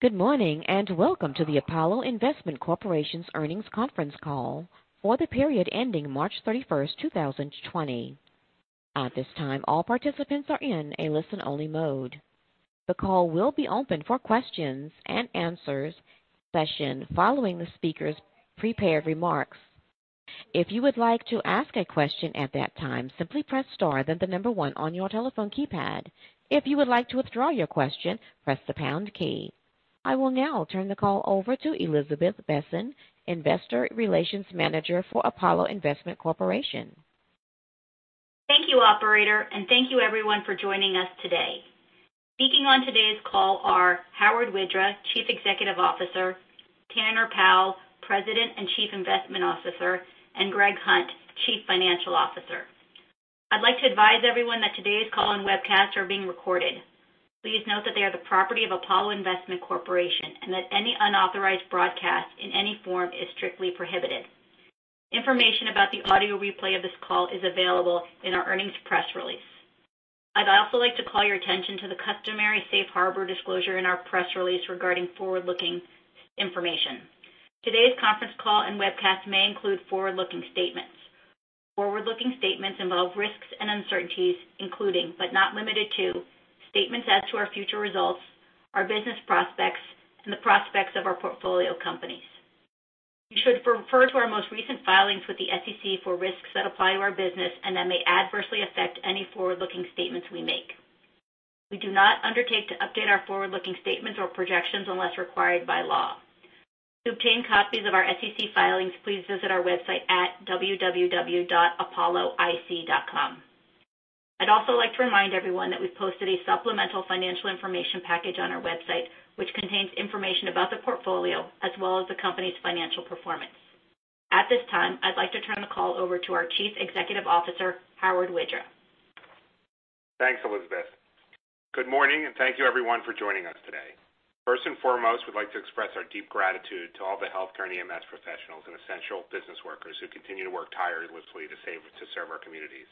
Good morning. Welcome to the Apollo Investment Corporation's earnings conference call for the period ending March 31st, 2020. At this time, all participants are in a listen-only mode. The call will be opened for questions and answers session following the speakers' prepared remarks. If you would like to ask a question at that time, simply press star then the number one on your telephone keypad. If you would like to withdraw your question, press the pound key. I will now turn the call over to Elizabeth Besen, investor relations manager for Apollo Investment Corporation. Thank you, operator, and thank you, everyone for joining us today. Speaking on today's call are Howard Widra, Chief Executive Officer, Tanner Powell, President and Chief Investment Officer, and Greg Hunt, Chief Financial Officer. I'd like to advise everyone that today's call and webcast are being recorded. Please note that they are the property of Apollo Investment Corporation, and that any unauthorized broadcast in any form is strictly prohibited. Information about the audio replay of this call is available in our earnings press release. I'd also like to call your attention to the customary safe harbor disclosure in our press release regarding forward-looking information. Today's conference call and webcast may include forward-looking statements. Forward-looking statements involve risks and uncertainties, including, but not limited to, statements as to our future results, our business prospects, and the prospects of our portfolio companies. You should refer to our most recent filings with the SEC for risks that apply to our business and that may adversely affect any forward-looking statements we make. We do not undertake to update our forward-looking statements or projections unless required by law. To obtain copies of our SEC filings, please visit our website at www.apolloic.com. I'd also like to remind everyone that we posted a supplemental financial information package on our website, which contains information about the portfolio as well as the company's financial performance. At this time, I'd like to turn the call over to our chief executive officer, Howard Widra. Thanks, Elizabeth. Good morning, and thank you everyone for joining us today. First and foremost, we'd like to express our deep gratitude to all the healthcare and EMS professionals and essential business workers who continue to work tirelessly to serve our communities.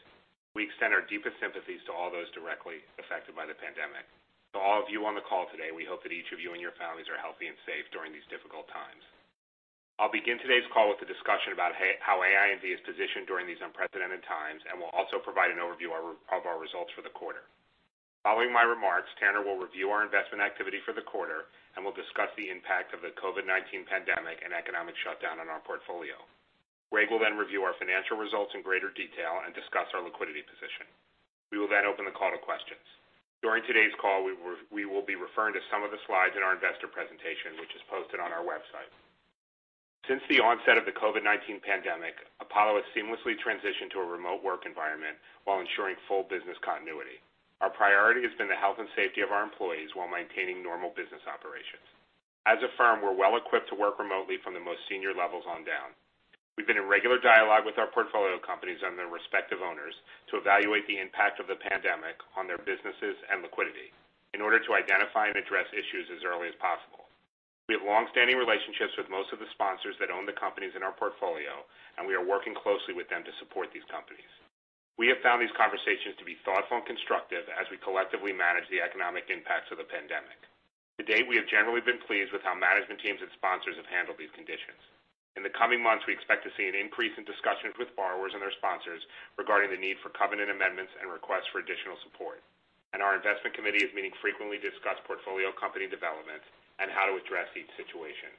We extend our deepest sympathies to all those directly affected by the pandemic. To all of you on the call today, we hope that each of you and your families are healthy and safe during these difficult times. I'll begin today's call with a discussion about how AINV is positioned during these unprecedented times and will also provide an overview of our results for the quarter. Following my remarks, Tanner will review our investment activity for the quarter and will discuss the impact of the COVID-19 pandemic and economic shutdown on our portfolio. Greg will review our financial results in greater detail and discuss our liquidity position. We will then open the call to questions. During today's call, we will be referring to some of the slides in our investor presentation, which is posted on our website. Since the onset of the COVID-19 pandemic, Apollo has seamlessly transitioned to a remote work environment while ensuring full business continuity. Our priority has been the health and safety of our employees while maintaining normal business operations. As a firm, we're well equipped to work remotely from the most senior levels on down. We've been in regular dialogue with our portfolio companies and their respective owners to evaluate the impact of the pandemic on their businesses and liquidity in order to identify and address issues as early as possible. We have longstanding relationships with most of the sponsors that own the companies in our portfolio, and we are working closely with them to support these companies. We have found these conversations to be thoughtful and constructive as we collectively manage the economic impacts of the pandemic. To date, we have generally been pleased with how management teams and sponsors have handled these conditions. In the coming months, we expect to see an increase in discussions with borrowers and their sponsors regarding the need for covenant amendments and requests for additional support. Our investment committee is meeting frequently to discuss portfolio company developments and how to address each situation.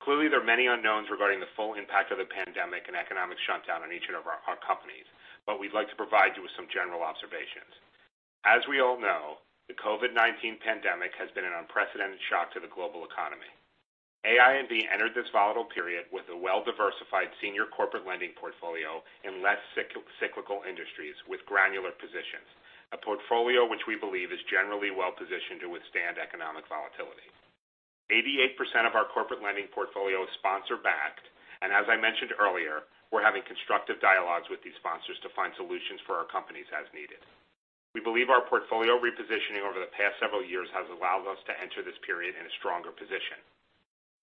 Clearly, there are many unknowns regarding the full impact of the pandemic and economic shutdown on each of our companies, but we'd like to provide you with some general observations. As we all know, the COVID-19 pandemic has been an unprecedented shock to the global economy. AINV entered this volatile period with a well-diversified senior corporate lending portfolio in less cyclical industries with granular positions, a portfolio which we believe is generally well-positioned to withstand economic volatility. 88% of our corporate lending portfolio is sponsor backed, and as I mentioned earlier, we're having constructive dialogues with these sponsors to find solutions for our companies as needed. We believe our portfolio repositioning over the past several years has allowed us to enter this period in a stronger position.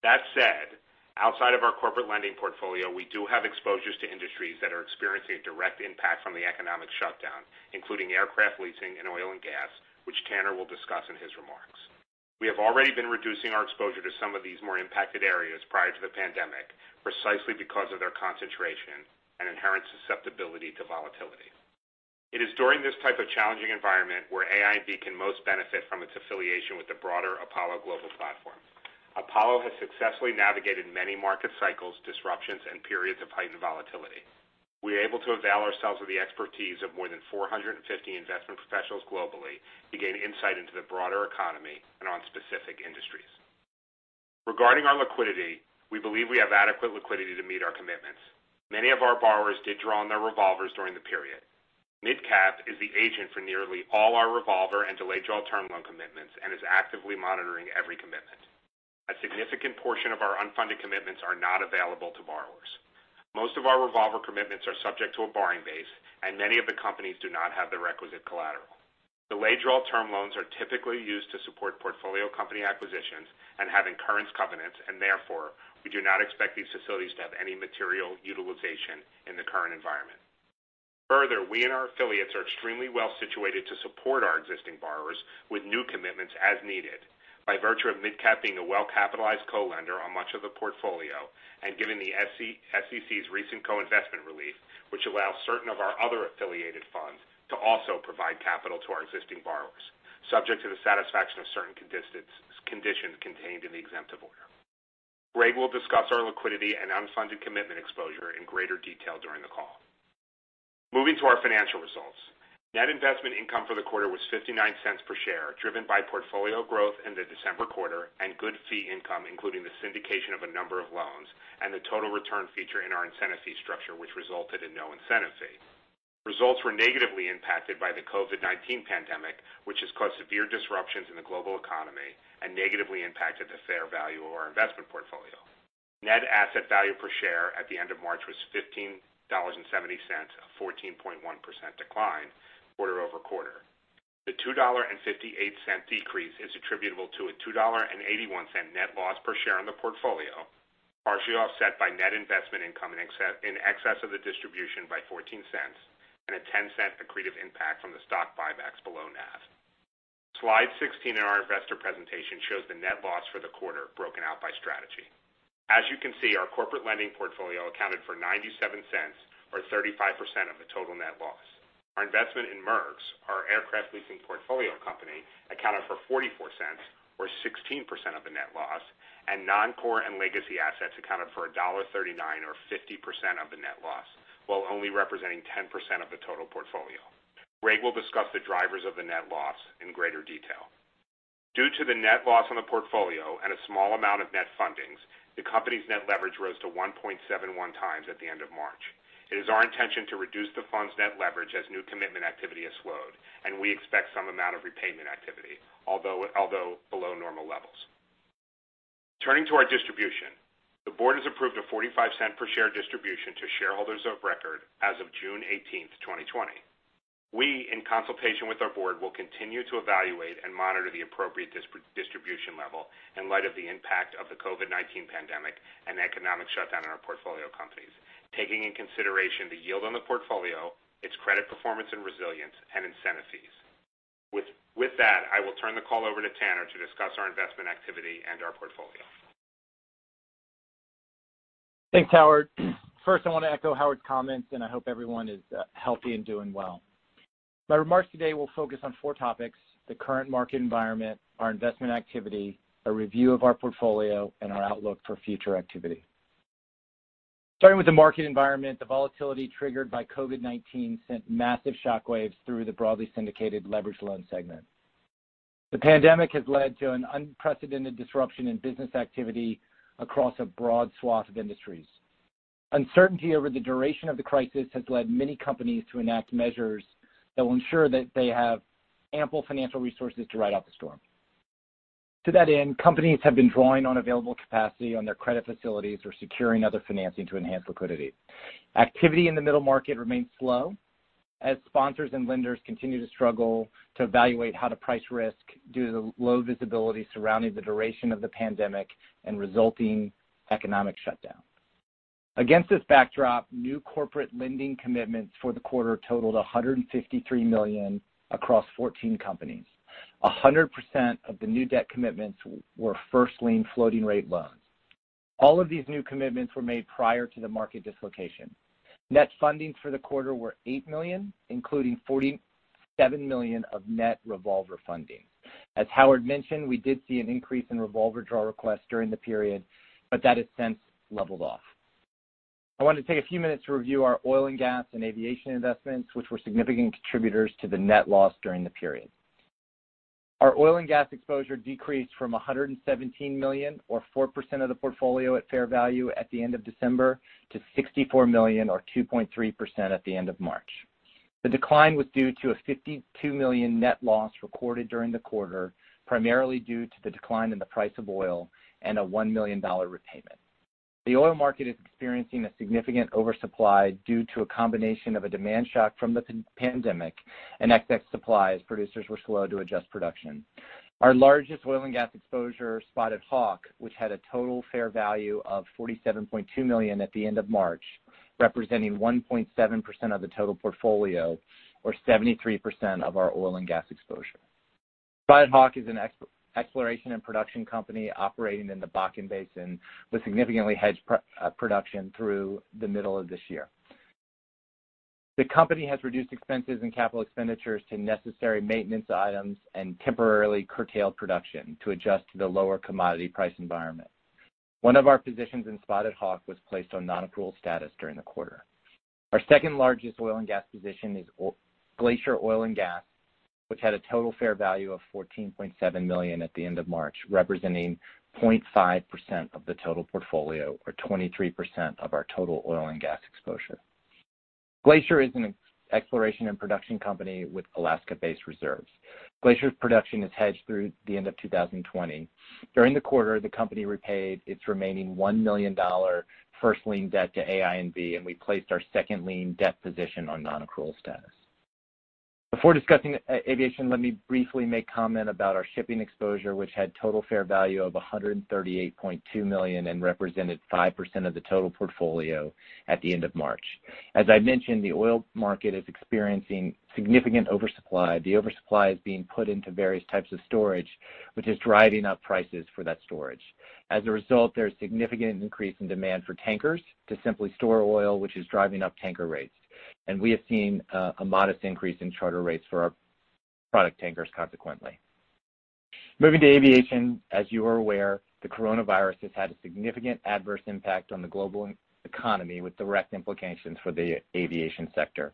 That said, outside of our corporate lending portfolio, we do have exposures to industries that are experiencing a direct impact from the economic shutdown, including aircraft leasing and oil and gas, which Tanner will discuss in his remarks. We have already been reducing our exposure to some of these more impacted areas prior to the pandemic, precisely because of their concentration and inherent susceptibility to volatility. It is during this type of challenging environment where AINV can most benefit from its affiliation with the broader Apollo Global Management. Apollo has successfully navigated many market cycles, disruptions, and periods of heightened volatility. We are able to avail ourselves of the expertise of more than 450 investment professionals globally to gain insight into the broader economy and on specific industries. Regarding our liquidity, we believe we have adequate liquidity to meet our commitments. Many of our borrowers did draw on their revolvers during the period. MidCap Financial is the agent for nearly all our revolver and delayed-draw term loan commitments and is actively monitoring every commitment. A significant portion of our unfunded commitments are not available to borrowers. Most of our revolver commitments are subject to a borrowing base. Many of the companies do not have the requisite collateral. Delayed-draw term loans are typically used to support portfolio company acquisitions and have incurrence covenants, and therefore, we do not expect these facilities to have any material utilization in the current environment. Further, we and our affiliates are extremely well-situated to support our existing borrowers with new commitments as needed by virtue of MidCap being a well-capitalized co-lender on much of the portfolio, and given the SEC's recent co-investment relief, which allows certain of our other affiliated funds to also provide capital to our existing borrowers, subject to the satisfaction of certain conditions contained in the exemptive order. Greg will discuss our liquidity and unfunded commitment exposure in greater detail during the call. Moving to our financial results. Net investment income for the quarter was $0.59 per share, driven by portfolio growth in the December quarter and good fee income, including the syndication of a number of loans and the total return feature in our incentive fee structure, which resulted in no incentive fee. Results were negatively impacted by the COVID-19 pandemic, which has caused severe disruptions in the global economy and negatively impacted the fair value of our investment portfolio. Net asset value per share at the end of March was $15.70, a 14.1% decline quarter-over-quarter. The $2.58 decrease is attributable to a $2.81 net loss per share on the portfolio, partially offset by net investment income in excess of the distribution by $0.14, and a $0.10 accretive impact from the stock buybacks below NAV. Slide 16 in our investor presentation shows the net loss for the quarter broken out by strategy. As you can see, our corporate lending portfolio accounted for $0.97 or 35% of the total net loss. Our investment in Merx, our aircraft leasing portfolio company, accounted for $0.44 or 16% of the net loss, and non-core and legacy assets accounted for $1.39 or 50% of the net loss, while only representing 10% of the total portfolio. Greg will discuss the drivers of the net loss in greater detail. Due to the net loss on the portfolio and a small amount of net fundings, the company's net leverage rose to 1.71 times at the end of March. It is our intention to reduce the fund's net leverage as new commitment activity has slowed, and we expect some amount of repayment activity, although below normal levels. Turning to our distribution. The board has approved a $0.45 per share distribution to shareholders of record as of June 18th, 2020. We, in consultation with our board, will continue to evaluate and monitor the appropriate distribution level in light of the impact of the COVID-19 pandemic and the economic shutdown on our portfolio companies, taking in consideration the yield on the portfolio, its credit performance and resilience, and incentive fees. With that, I will turn the call over to Tanner to discuss our investment activity and our portfolio. Thanks, Howard. First, I want to echo Howard's comments, and I hope everyone is healthy and doing well. My remarks today will focus on four topics: the current market environment, our investment activity, a review of our portfolio, and our outlook for future activity. Starting with the market environment, the volatility triggered by COVID-19 sent massive shockwaves through the broadly syndicated leveraged loan segment. The pandemic has led to an unprecedented disruption in business activity across a broad swath of industries. Uncertainty over the duration of the crisis has led many companies to enact measures that will ensure that they have ample financial resources to ride out the storm. To that end, companies have been drawing on available capacity on their credit facilities or securing other financing to enhance liquidity. Activity in the middle market remains slow as sponsors and lenders continue to struggle to evaluate how to price risk due to the low visibility surrounding the duration of the pandemic and resulting economic shutdown. Against this backdrop, new corporate lending commitments for the quarter totaled $153 million across 14 companies. 100% of the new debt commitments were first-lien floating rate loans. All of these new commitments were made prior to the market dislocation. Net fundings for the quarter were $8 million, including $47 million of net revolver funding. As Howard mentioned, we did see an increase in revolver draw requests during the period, but that has since leveled off. I want to take a few minutes to review our oil and gas and aviation investments, which were significant contributors to the net loss during the period. Our oil and gas exposure decreased from $117 million, or 4% of the portfolio at fair value at the end of December, to $64 million or 2.3% at the end of March. The decline was due to a $52 million net loss recorded during the quarter, primarily due to the decline in the price of oil and a $1 million repayment. The oil market is experiencing a significant oversupply due to a combination of a demand shock from the pandemic and excess supply as producers were slow to adjust production. Our largest oil and gas exposure, Spotted Hawk, which had a total fair value of $47.2 million at the end of March, representing 1.7% of the total portfolio or 73% of our oil and gas exposure. Spotted Hawk is an exploration and production company operating in the Bakken Basin with significantly hedged production through the middle of this year. The company has reduced expenses and capital expenditures to necessary maintenance items and temporarily curtailed production to adjust to the lower commodity price environment. One of our positions in Spotted Hawk was placed on non-accrual status during the quarter. Our second-largest oil and gas position is Glacier Oil & Gas, which had a total fair value of $14.7 million at the end of March, representing 0.5% of the total portfolio or 23% of our total oil and gas exposure. Glacier is an exploration and production company with Alaska-based reserves. Glacier's production is hedged through the end of 2020. During the quarter, the company repaid its remaining $1 million first lien debt to AINV, and we placed our second lien debt position on non-accrual status. Before discussing aviation, let me briefly make comment about our shipping exposure, which had total fair value of $138.2 million and represented 5% of the total portfolio at the end of March. As I mentioned, the oil market is experiencing significant oversupply. The oversupply is being put into various types of storage, which is driving up prices for that storage. As a result, there is significant increase in demand for tankers to simply store oil, which is driving up tanker rates. We have seen a modest increase in charter rates for our product tankers consequently. Moving to aviation, as you are aware, the coronavirus has had a significant adverse impact on the global economy, with direct implications for the aviation sector.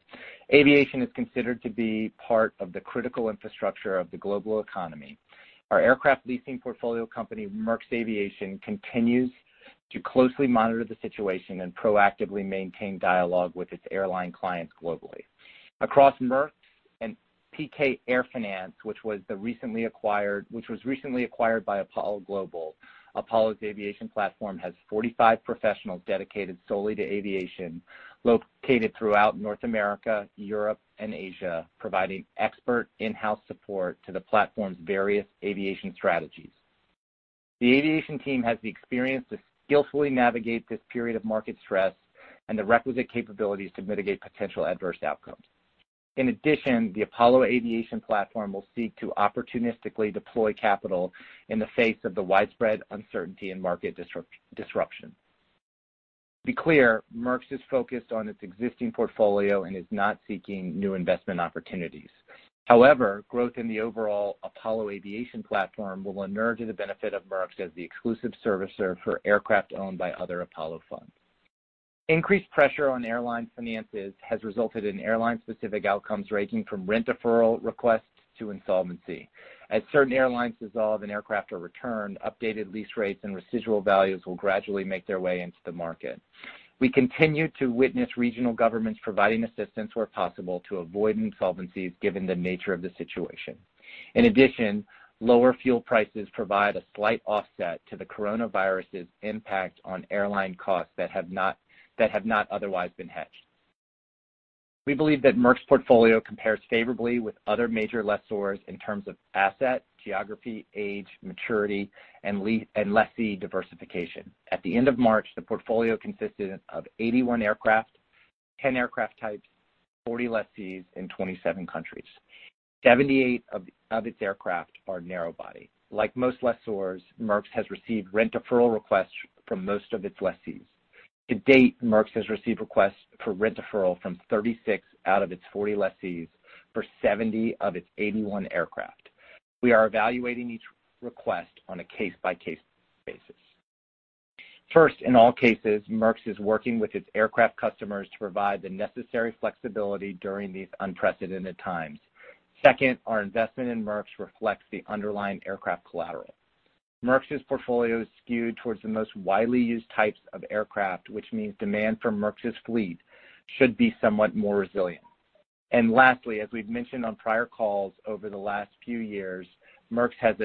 Aviation is considered to be part of the critical infrastructure of the global economy. Our aircraft leasing portfolio company, Merx Aviation, continues to closely monitor the situation and proactively maintain dialogue with its airline clients globally. Across Merx and PK AirFinance, which was recently acquired by Apollo Global, Apollo's aviation platform has 45 professionals dedicated solely to aviation, located throughout North America, Europe, and Asia, providing expert in-house support to the platform's various aviation strategies. The aviation team has the experience to skillfully navigate this period of market stress and the requisite capabilities to mitigate potential adverse outcomes. In addition, the Apollo aviation platform will seek to opportunistically deploy capital in the face of the widespread uncertainty and market disruption. To be clear, Merx is focused on its existing portfolio and is not seeking new investment opportunities. However, growth in the overall Apollo aviation platform will inure to the benefit of Merx as the exclusive servicer for aircraft owned by other Apollo funds. Increased pressure on airline finances has resulted in airline-specific outcomes ranging from rent deferral requests to insolvency. As certain airlines dissolve and aircraft are returned, updated lease rates and residual values will gradually make their way into the market. We continue to witness regional governments providing assistance where possible to avoid insolvencies, given the nature of the situation. In addition, lower fuel prices provide a slight offset to the coronavirus's impact on airline costs that have not otherwise been hedged. We believe that Merx portfolio compares favorably with other major lessors in terms of asset, geography, age, maturity, and lessee diversification. At the end of March, the portfolio consisted of 81 aircraft, 10 aircraft types, 40 lessees in 27 countries. 78 of its aircraft are narrow body. Like most lessors, Merx has received rent deferral requests from most of its lessees. To date, Merx has received requests for rent deferral from 36 out of its 40 lessees for 70 of its 81 aircraft. We are evaluating each request on a case-by-case basis. First, in all cases, Merx is working with its aircraft customers to provide the necessary flexibility during these unprecedented times. Second, our investment in Merx reflects the underlying aircraft collateral. Merx's portfolio is skewed towards the most widely used types of aircraft, which means demand for Merx's fleet should be somewhat more resilient. Lastly, as we've mentioned on prior calls over the last few years, Merx has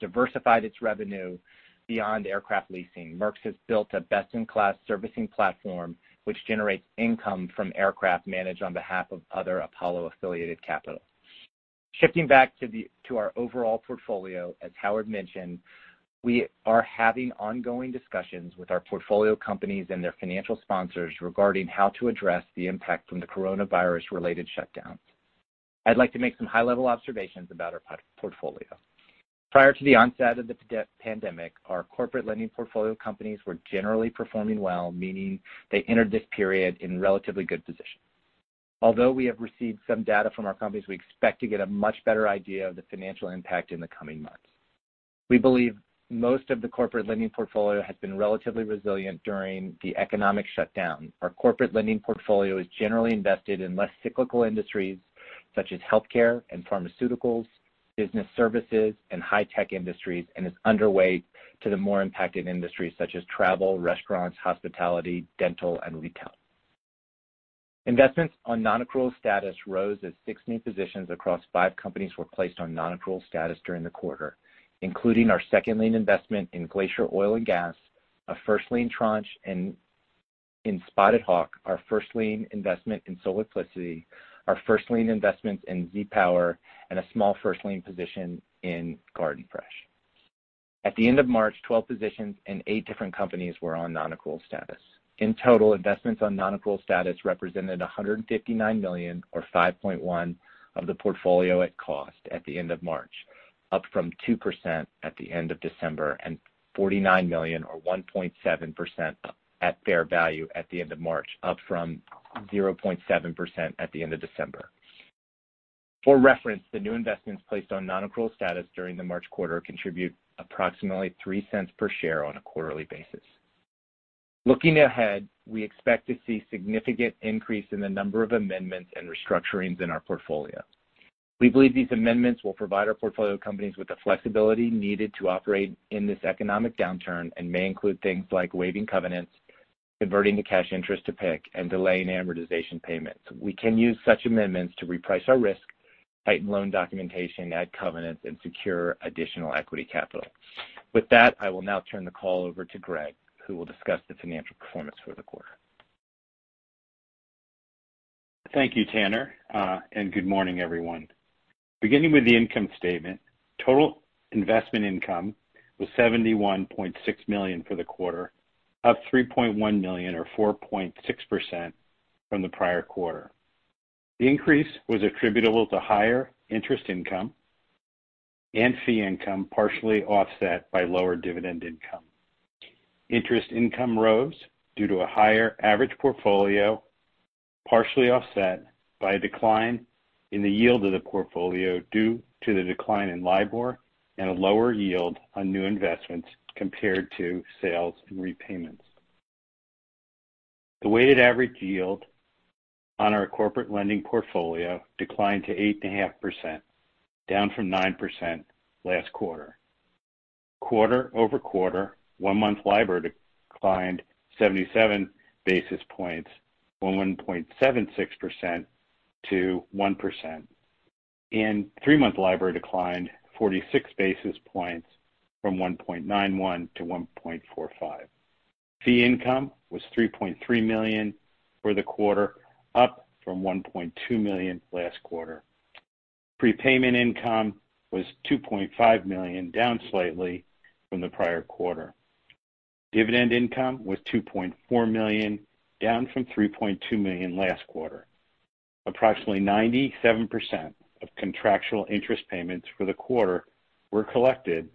diversified its revenue beyond aircraft leasing. Merx has built a best-in-class servicing platform, which generates income from aircraft managed on behalf of other Apollo-affiliated capital. Shifting back to our overall portfolio, as Howard mentioned, we are having ongoing discussions with our portfolio companies and their financial sponsors regarding how to address the impact from the coronavirus-related shutdowns. I'd like to make some high-level observations about our portfolio. Prior to the onset of the pandemic, our corporate lending portfolio companies were generally performing well, meaning they entered this period in relatively good position. Although we have received some data from our companies, we expect to get a much better idea of the financial impact in the coming months. We believe most of the corporate lending portfolio has been relatively resilient during the economic shutdown. Our corporate lending portfolio is generally invested in less cyclical industries such as healthcare and pharmaceuticals, business services, and high-tech industries, and is underweight to the more impacted industries such as travel, restaurants, hospitality, dental, and retail. Investments on non-accrual status rose as six new positions across five companies were placed on non-accrual status during the quarter, including our second lien investment in Glacier Oil & Gas, a first lien tranche in Spotted Hawk, our first lien investment in Solarplicity, our first lien investments in ZPower, and a small first lien position in Garden Fresh. At the end of March, 12 positions in eight different companies were on non-accrual status. In total, investments on non-accrual status represented $159 million, or 5.1% of the portfolio at cost at the end of March, up from 2% at the end of December, and $49 million or 1.7% at fair value at the end of March, up from 0.7% at the end of December. For reference, the new investments placed on non-accrual status during the March quarter contribute approximately $0.03 per share on a quarterly basis. Looking ahead, we expect to see significant increase in the number of amendments and restructurings in our portfolio. We believe these amendments will provide our portfolio companies with the flexibility needed to operate in this economic downturn and may include things like waiving covenants, converting to cash interest to PIK, and delaying amortization payments. We can use such amendments to reprice our risk, tighten loan documentation, add covenants, and secure additional equity capital. With that, I will now turn the call over to Greg, who will discuss the financial performance for the quarter. Thank you, Tanner. Good morning, everyone. Beginning with the income statement, total investment income was $71.6 million for the quarter, up $3.1 million or 4.6% from the prior quarter. The increase was attributable to higher interest income and fee income, partially offset by lower dividend income. Interest income rose due to a higher average portfolio, partially offset by a decline in the yield of the portfolio due to the decline in LIBOR and a lower yield on new investments compared to sales and repayments. The weighted average yield on our corporate lending portfolio declined to 8.5%, down from 9% last quarter. Quarter-over-quarter, one-month LIBOR declined 77 basis points from 1.76% to 1%. Three-month LIBOR declined 46 basis points from 1.91 to 1.45. Fee income was $3.3 million for the quarter, up from $1.2 million last quarter. Prepayment income was $2.5 million, down slightly from the prior quarter. Dividend income was $2.4 million, down from $3.2 million last quarter. Approximately 97% of contractual interest payments for the quarter were collected,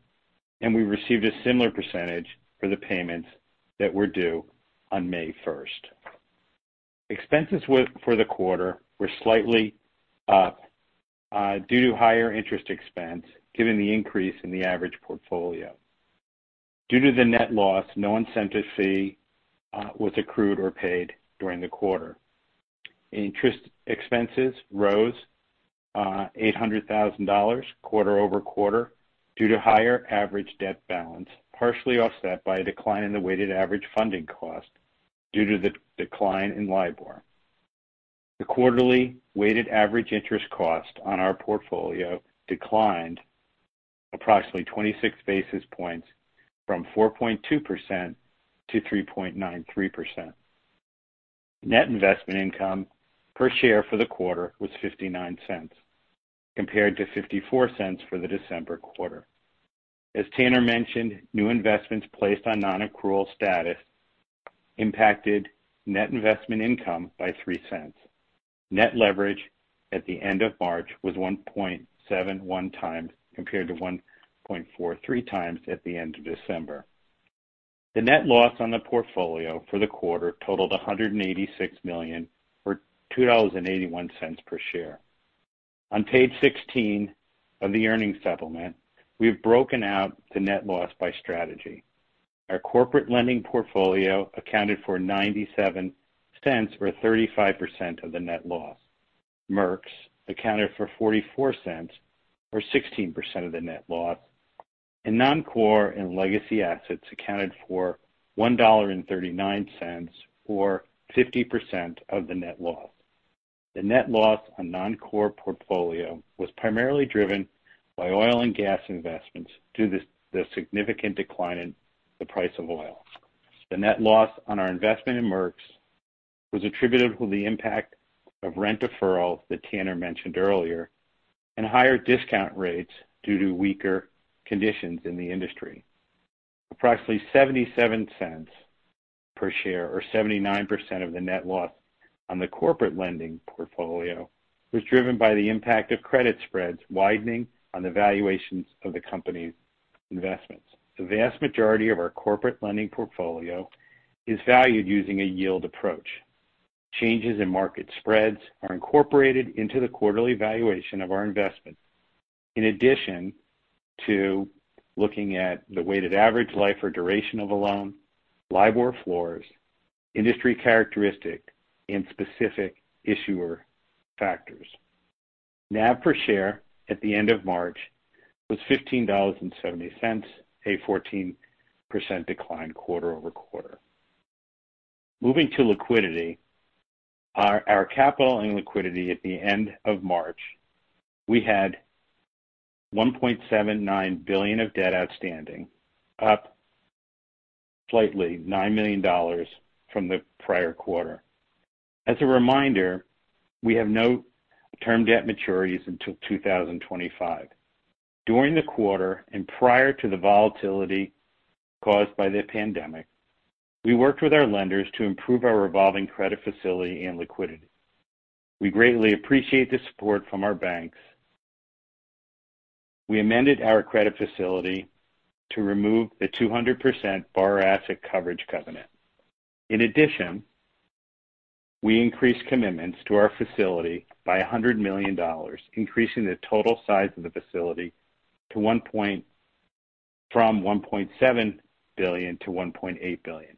and we received a similar percentage for the payments that were due on May 1. Expenses for the quarter were slightly up due to higher interest expense given the increase in the average portfolio. Due to the net loss, no incentive fee was accrued or paid during the quarter. Interest expenses rose $800,000 quarter-over-quarter due to higher average debt balance, partially offset by a decline in the weighted average funding cost due to the decline in LIBOR. The quarterly weighted average interest cost on our portfolio declined approximately 26 basis points from 4.2% to 3.93%. Net investment income per share for the quarter was $0.59, compared to $0.54 for the December quarter. As Tanner mentioned, new investments placed on non-accrual status impacted net investment income by $0.03. Net leverage at the end of March was 1.71 times, compared to 1.43 times at the end of December. The net loss on the portfolio for the quarter totaled $186 million, or $2.81 per share. On page 16 of the earnings supplement, we have broken out the net loss by strategy. Our corporate lending portfolio accounted for $0.97, or 35% of the net loss. Merx accounted for $0.44, or 16% of the net loss. Non-core and legacy assets accounted for $1.39, or 50% of the net loss. The net loss on non-core portfolio was primarily driven by oil and gas investments due to the significant decline in the price of oil. The net loss on our investment in Merx was attributable to the impact of rent deferral that Tanner mentioned earlier and higher discount rates due to weaker conditions in the industry. Approximately $0.77 per share, or 79% of the net loss on the corporate lending portfolio, was driven by the impact of credit spreads widening on the valuations of the company's investments. The vast majority of our corporate lending portfolio is valued using a yield approach. Changes in market spreads are incorporated into the quarterly valuation of our investment. In addition to looking at the weighted average life or duration of a loan, LIBOR floors, industry characteristic, and specific issuer factors. NAV per share at the end of March was $15.70, a 14% decline quarter-over-quarter. Moving to liquidity, our capital and liquidity at the end of March, we had $1.79 billion of debt outstanding, up slightly, $9 million from the prior quarter. As a reminder, we have no term debt maturities until 2025. During the quarter and prior to the volatility caused by the pandemic, we worked with our lenders to improve our revolving credit facility and liquidity. We greatly appreciate the support from our banks. We amended our credit facility to remove the 200% BDC asset coverage covenant. In addition, we increased commitments to our facility by $100 million, increasing the total size of the facility from $1.7 billion to $1.8 billion.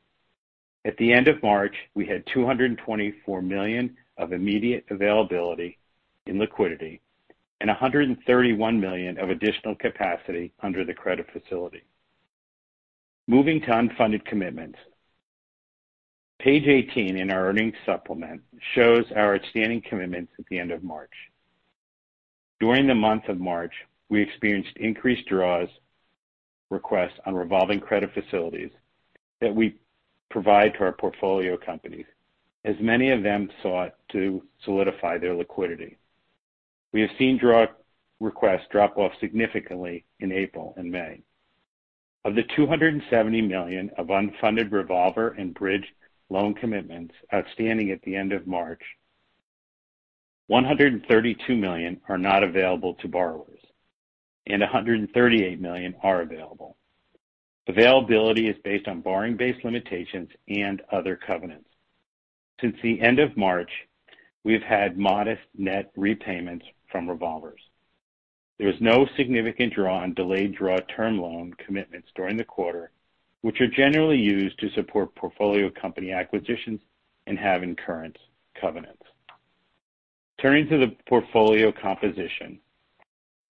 At the end of March, we had $224 million of immediate availability in liquidity and $131 million of additional capacity under the credit facility. Moving to unfunded commitments. Page 18 in our earnings supplement shows our outstanding commitments at the end of March. During the month of March, we experienced increased draws requests on revolving credit facilities that we provide to our portfolio companies, as many of them sought to solidify their liquidity. We have seen draw requests drop off significantly in April and May. Of the $270 million of unfunded revolver and bridge loan commitments outstanding at the end of March, $132 million are not available to borrowers, and $138 million are available. Availability is based on borrowing-based limitations and other covenants. Since the end of March, we've had modest net repayments from revolvers. There was no significant draw on delayed draw term loan commitments during the quarter, which are generally used to support portfolio company acquisitions and have in-current covenants. Turning to the portfolio composition.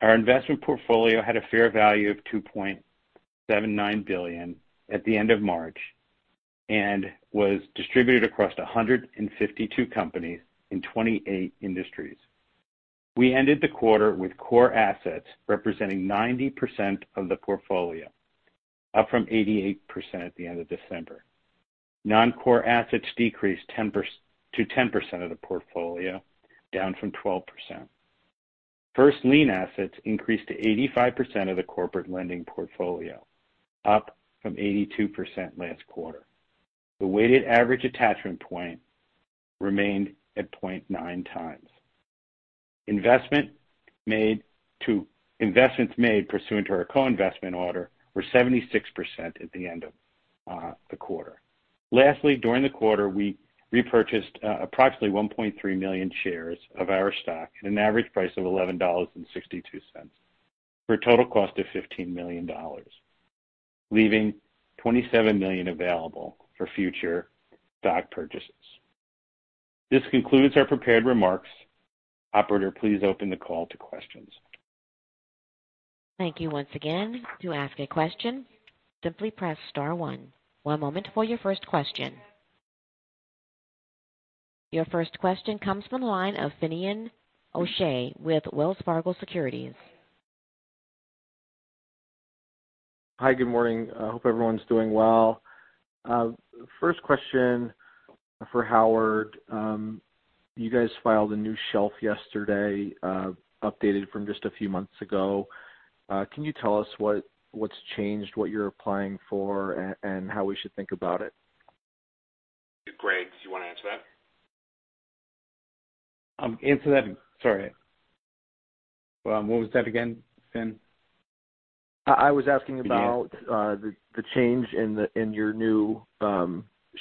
Our investment portfolio had a fair value of $2.79 billion at the end of March and was distributed across 152 companies in 28 industries. We ended the quarter with core assets representing 90% of the portfolio, up from 88% at the end of December. Non-core assets decreased to 10% of the portfolio, down from 12%. First lien assets increased to 85% of the corporate lending portfolio, up from 82% last quarter. The weighted average attachment point remained at 0.9 times. Investments made pursuant to our co-investment order were 76% at the end of the quarter. Lastly, during the quarter, we repurchased approximately 1.3 million shares of our stock at an average price of $11.62, for a total cost of $15 million, leaving $27 million available for future stock purchases. This concludes our prepared remarks. Operator, please open the call to questions. Thank you once again. To ask a question, simply press star one. One moment for your first question. Your first question comes from the line of Finian O'Shea with Wells Fargo Securities. Hi. Good morning. Hope everyone's doing well. First question, for Howard. You guys filed a new shelf yesterday, updated from just a few months ago. Can you tell us what's changed, what you're applying for, and how we should think about it? Greg, do you want to answer that? Answer that. Sorry. What was that again, Finn? I was asking about. Again the change in your new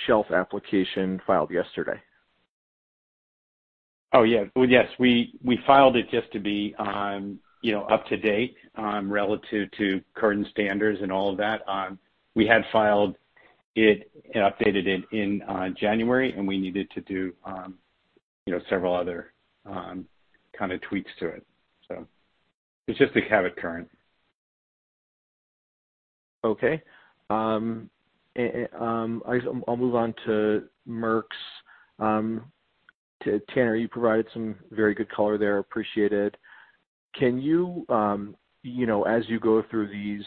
shelf application filed yesterday. Oh, yeah. Well, yes. We filed it just to be up to date relative to current standards and all of that. We had filed it and updated it in January, we needed to do several other kind of tweaks to it. It's just to have it current. Okay. I'll move on to Merx's. Tanner, you provided some very good color there. Appreciate it. You go through these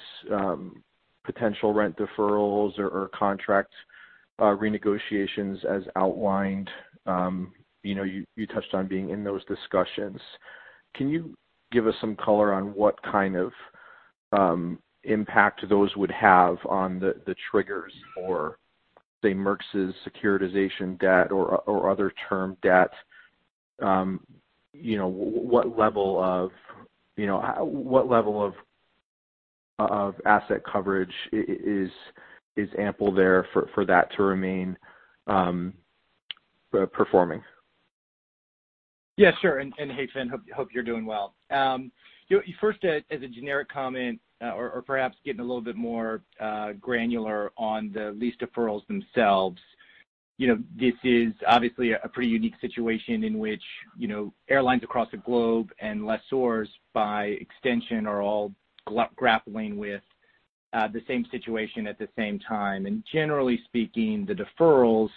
potential rent deferrals or contract renegotiations as outlined, you touched on being in those discussions. Can you give us some color on what kind of impact those would have on the triggers for, say, Merx's securitization debt or other term debt? What level of asset coverage is ample there for that to remain performing? Yeah, sure. Hey, Finn, hope you're doing well. First, as a generic comment, or perhaps getting a little bit more granular on the lease deferrals themselves. This is obviously a pretty unique situation in which airlines across the globe and lessors by extension are all grappling with the same situation at the same time. Generally speaking, the deferrals,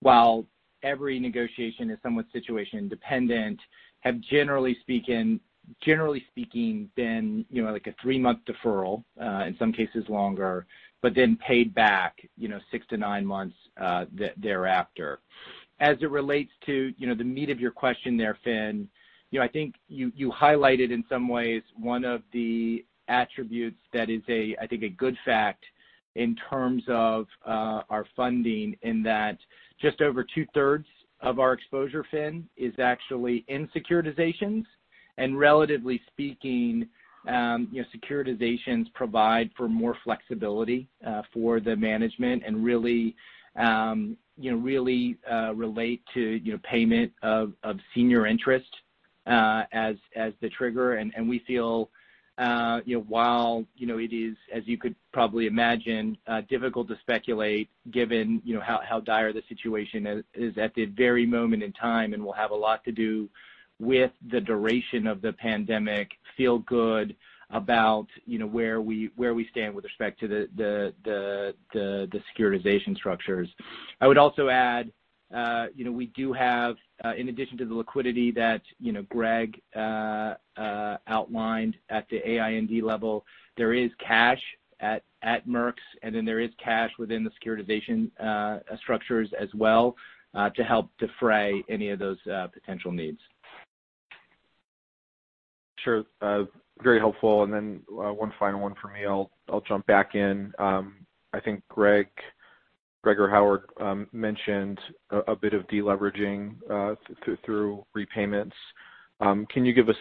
while every negotiation is somewhat situation-dependent, have generally speaking been like a three-month deferral, in some cases longer, but then paid back six-nine months thereafter. As it relates to the meat of your question there, Finn, I think you highlighted in some ways one of the attributes that is, I think, a good fact in terms of our funding in that just over two-thirds of our exposure, Finn, is actually in securitizations. Relatively speaking, securitizations provide for more flexibility for the management and really relate to payment of senior interest as the trigger. We feel while it is, as you could probably imagine, difficult to speculate given how dire the situation is at the very moment in time and will have a lot to do with the duration of the pandemic, feel good about where we stand with respect to the securitization structures. I would also add. We do have, in addition to the liquidity that Greg outlined at the AINV level, there is cash at Merx's, and then there is cash within the securitization structures as well to help defray any of those potential needs. Sure. Very helpful. One final one from me. I'll jump back in. I think Greg or Howard mentioned a bit of de-leveraging through repayments. Can you give us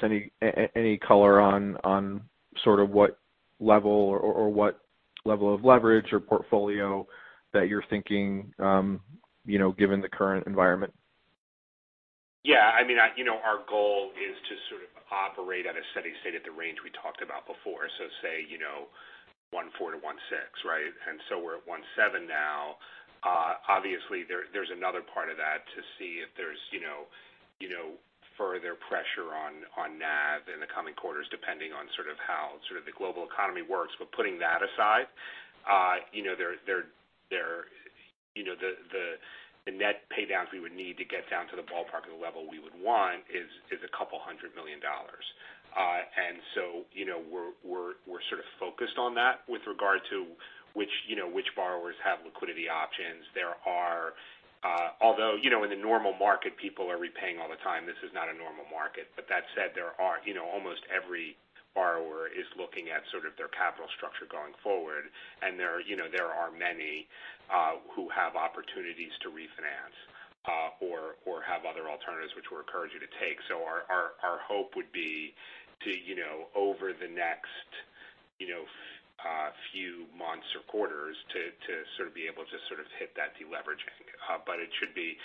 any color on what level of leverage or portfolio that you're thinking given the current environment? Yeah. Our goal is to operate at a steady state at the range we talked about before. Say, 1.4 to 1.6. We're at 1.7 now. Obviously, there's another part of that to see if there's further pressure on NAV in the coming quarters, depending on how the global economy works. Putting that aside, the net pay-downs we would need to get down to the ballpark of the level we would want is $200 million. We're focused on that with regard to which borrowers have liquidity options. Although in the normal market, people are repaying all the time. This is not a normal market. That said, almost every borrower is looking at their capital structure going forward, and there are many who have opportunities to refinance or have other alternatives which we're encouraging to take. Our hope would be to, over the next few months or quarters, to be able to hit that de-leveraging. It should be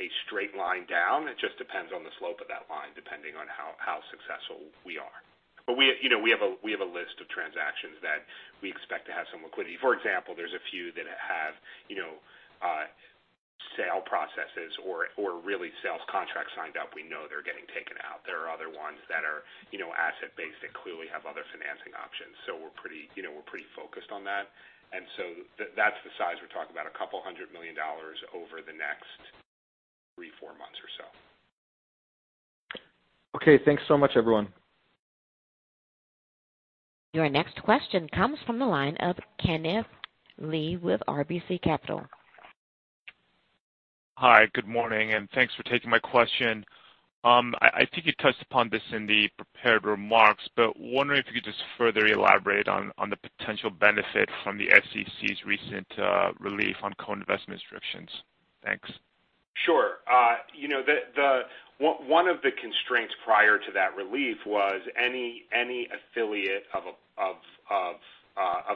a straight line down. It just depends on the slope of that line, depending on how successful we are. We have a list of transactions that we expect to have some liquidity. For example, there's a few that have sale processes or really sales contracts signed up. We know they're getting taken out. There are other ones that are asset-based that clearly have other financing options. We're pretty focused on that. That's the size we're talking about, a couple hundred million dollars over the next three, four months or so. Okay, thanks so much, everyone. Your next question comes from the line of Kenneth Lee with RBC Capital. Hi, good morning. Thanks for taking my question. I think you touched upon this in the prepared remarks. Wondering if you could just further elaborate on the potential benefit from the SEC's recent relief on co-investment restrictions. Thanks. Sure. One of the constraints prior to that relief was any affiliate of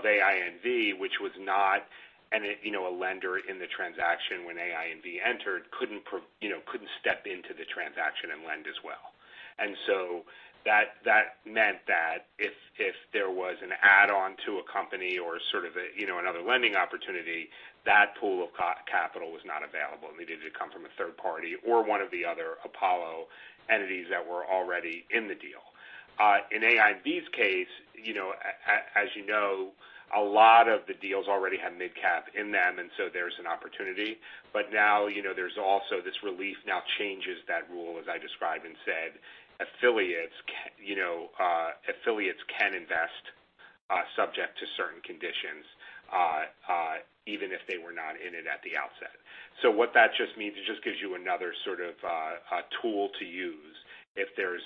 AINV, which was not a lender in the transaction when AINV entered, couldn't step into the transaction and lend as well. That meant that if there was an add-on to a company or another lending opportunity, that pool of capital was not available. It needed to come from a third party or one of the other Apollo entities that were already in the deal. In AINV's case, as you know, a lot of the deals already had MidCap in them, and so there's an opportunity. Now, there's also this relief now changes that rule, as I described and said. Affiliates can invest subject to certain conditions even if they were not in it at the outset. What that just means, it just gives you another sort of tool to use if there's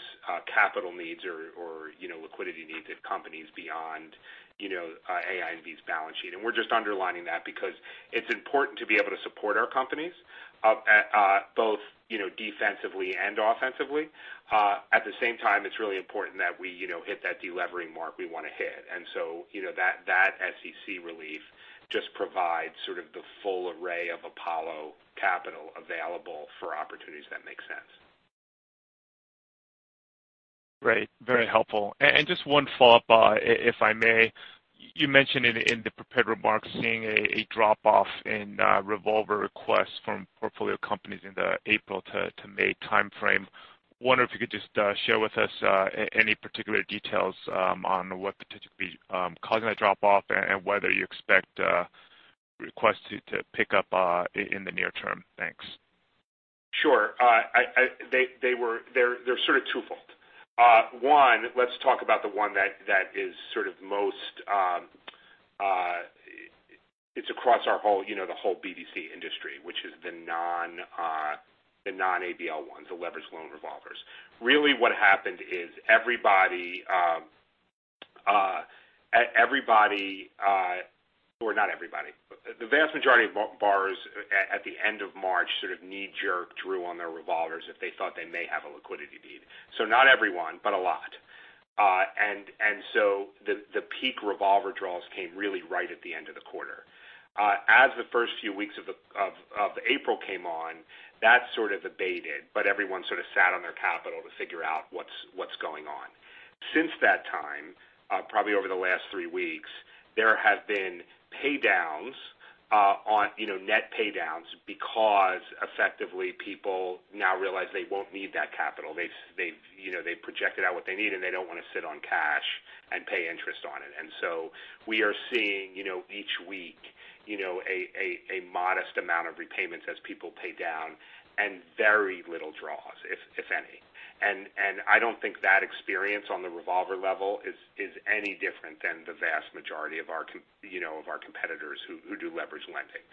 capital needs or liquidity needs of companies beyond AINV's balance sheet. We're just underlining that because it's important to be able to support our companies both defensively and offensively. At the same time, it's really important that we hit that de-levering mark we want to hit. That SEC relief just provides sort of the full array of Apollo capital available for opportunities that make sense. Great. Very helpful. Just one follow-up, if I may. You mentioned in the prepared remarks seeing a drop-off in revolver requests from portfolio companies in the April to May timeframe. I wonder if you could just share with us any particular details on what could typically be causing that drop-off and whether you expect requests to pick up in the near term. Thanks. Sure. They're sort of twofold. Let's talk about the one that is sort of across the whole BDC industry, which is the non-ABL ones, the leverage loan revolvers. What happened is everybody or not everybody. The vast majority of borrowers at the end of March sort of knee-jerk drew on their revolvers if they thought they may have a liquidity need. Not everyone, but a lot. The peak revolver draws came really right at the end of the quarter. As the first few weeks of April came on, that sort of abated, but everyone sort of sat on their capital to figure out what's going on. Since that time, probably over the last three weeks, there have been pay-downs on net pay-downs because effectively people now realize they won't need that capital. They've projected out what they need, and they don't want to sit on cash and pay interest. We are seeing each week a modest amount of repayments as people pay down and very little draws, if any. I don't think that experience on the revolver level is any different than the vast majority of our competitors who do leverage lending.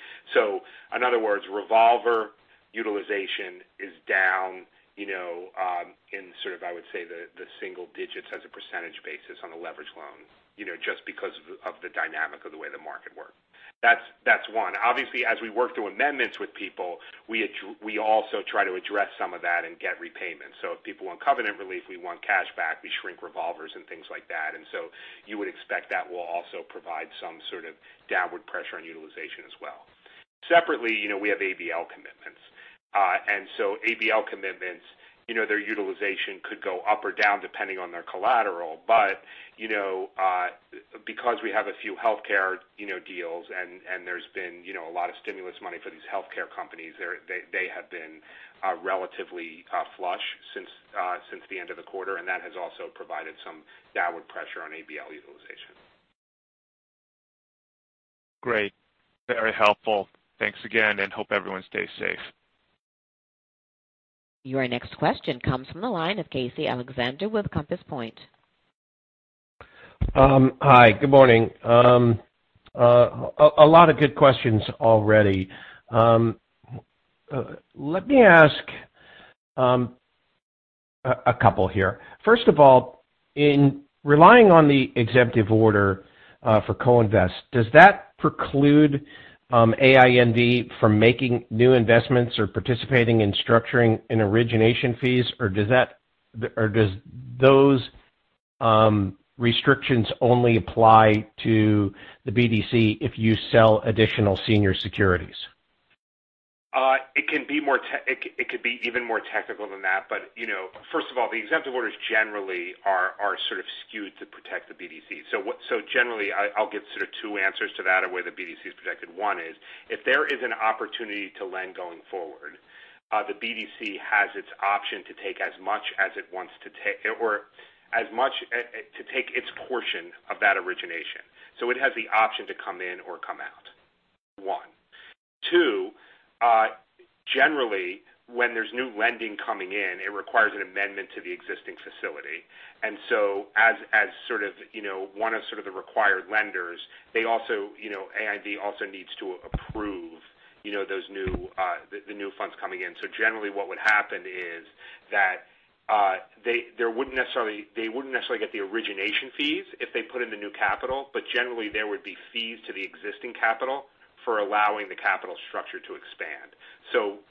In other words, revolver utilization is down in sort of, I would say, the single digits as a percentage basis on a leverage loan just because of the dynamic of the way the market works. That's one. Obviously, as we work through amendments with people, we also try to address some of that and get repayments. If people want covenant relief, we want cash back, we shrink revolvers and things like that. You would expect that will also provide some sort of downward pressure on utilization as well. Separately, we have ABL commitments. ABL commitments, their utilization could go up or down depending on their collateral. Because we have a few healthcare deals and there's been a lot of stimulus money for these healthcare companies, they have been relatively flush since the end of the quarter, and that has also provided some downward pressure on ABL utilization. Great. Very helpful. Thanks again, and hope everyone stays safe. Your next question comes from the line of Casey Alexander with Compass Point. Hi, good morning. A lot of good questions already. Let me ask a couple here. First of all, in relying on the exemptive order for co-invest, does that preclude AINV from making new investments or participating in structuring and origination fees? Does those restrictions only apply to the BDC if you sell additional senior securities? It could be even more technical than that. First of all, the exemptive orders generally are sort of skewed to protect the BDC. Generally, I'll give sort of two answers to that of where the BDC is protected. One is, if there is an opportunity to lend going forward, the BDC has its option to take its portion of that origination. It has the option to come in or come out. One. Two, generally, when there's new lending coming in, it requires an amendment to the existing facility. As one of the required lenders, AINV also needs to approve the new funds coming in. Generally, what would happen is that they wouldn't necessarily get the origination fees if they put in the new capital, generally, there would be fees to the existing capital for allowing the capital structure to expand.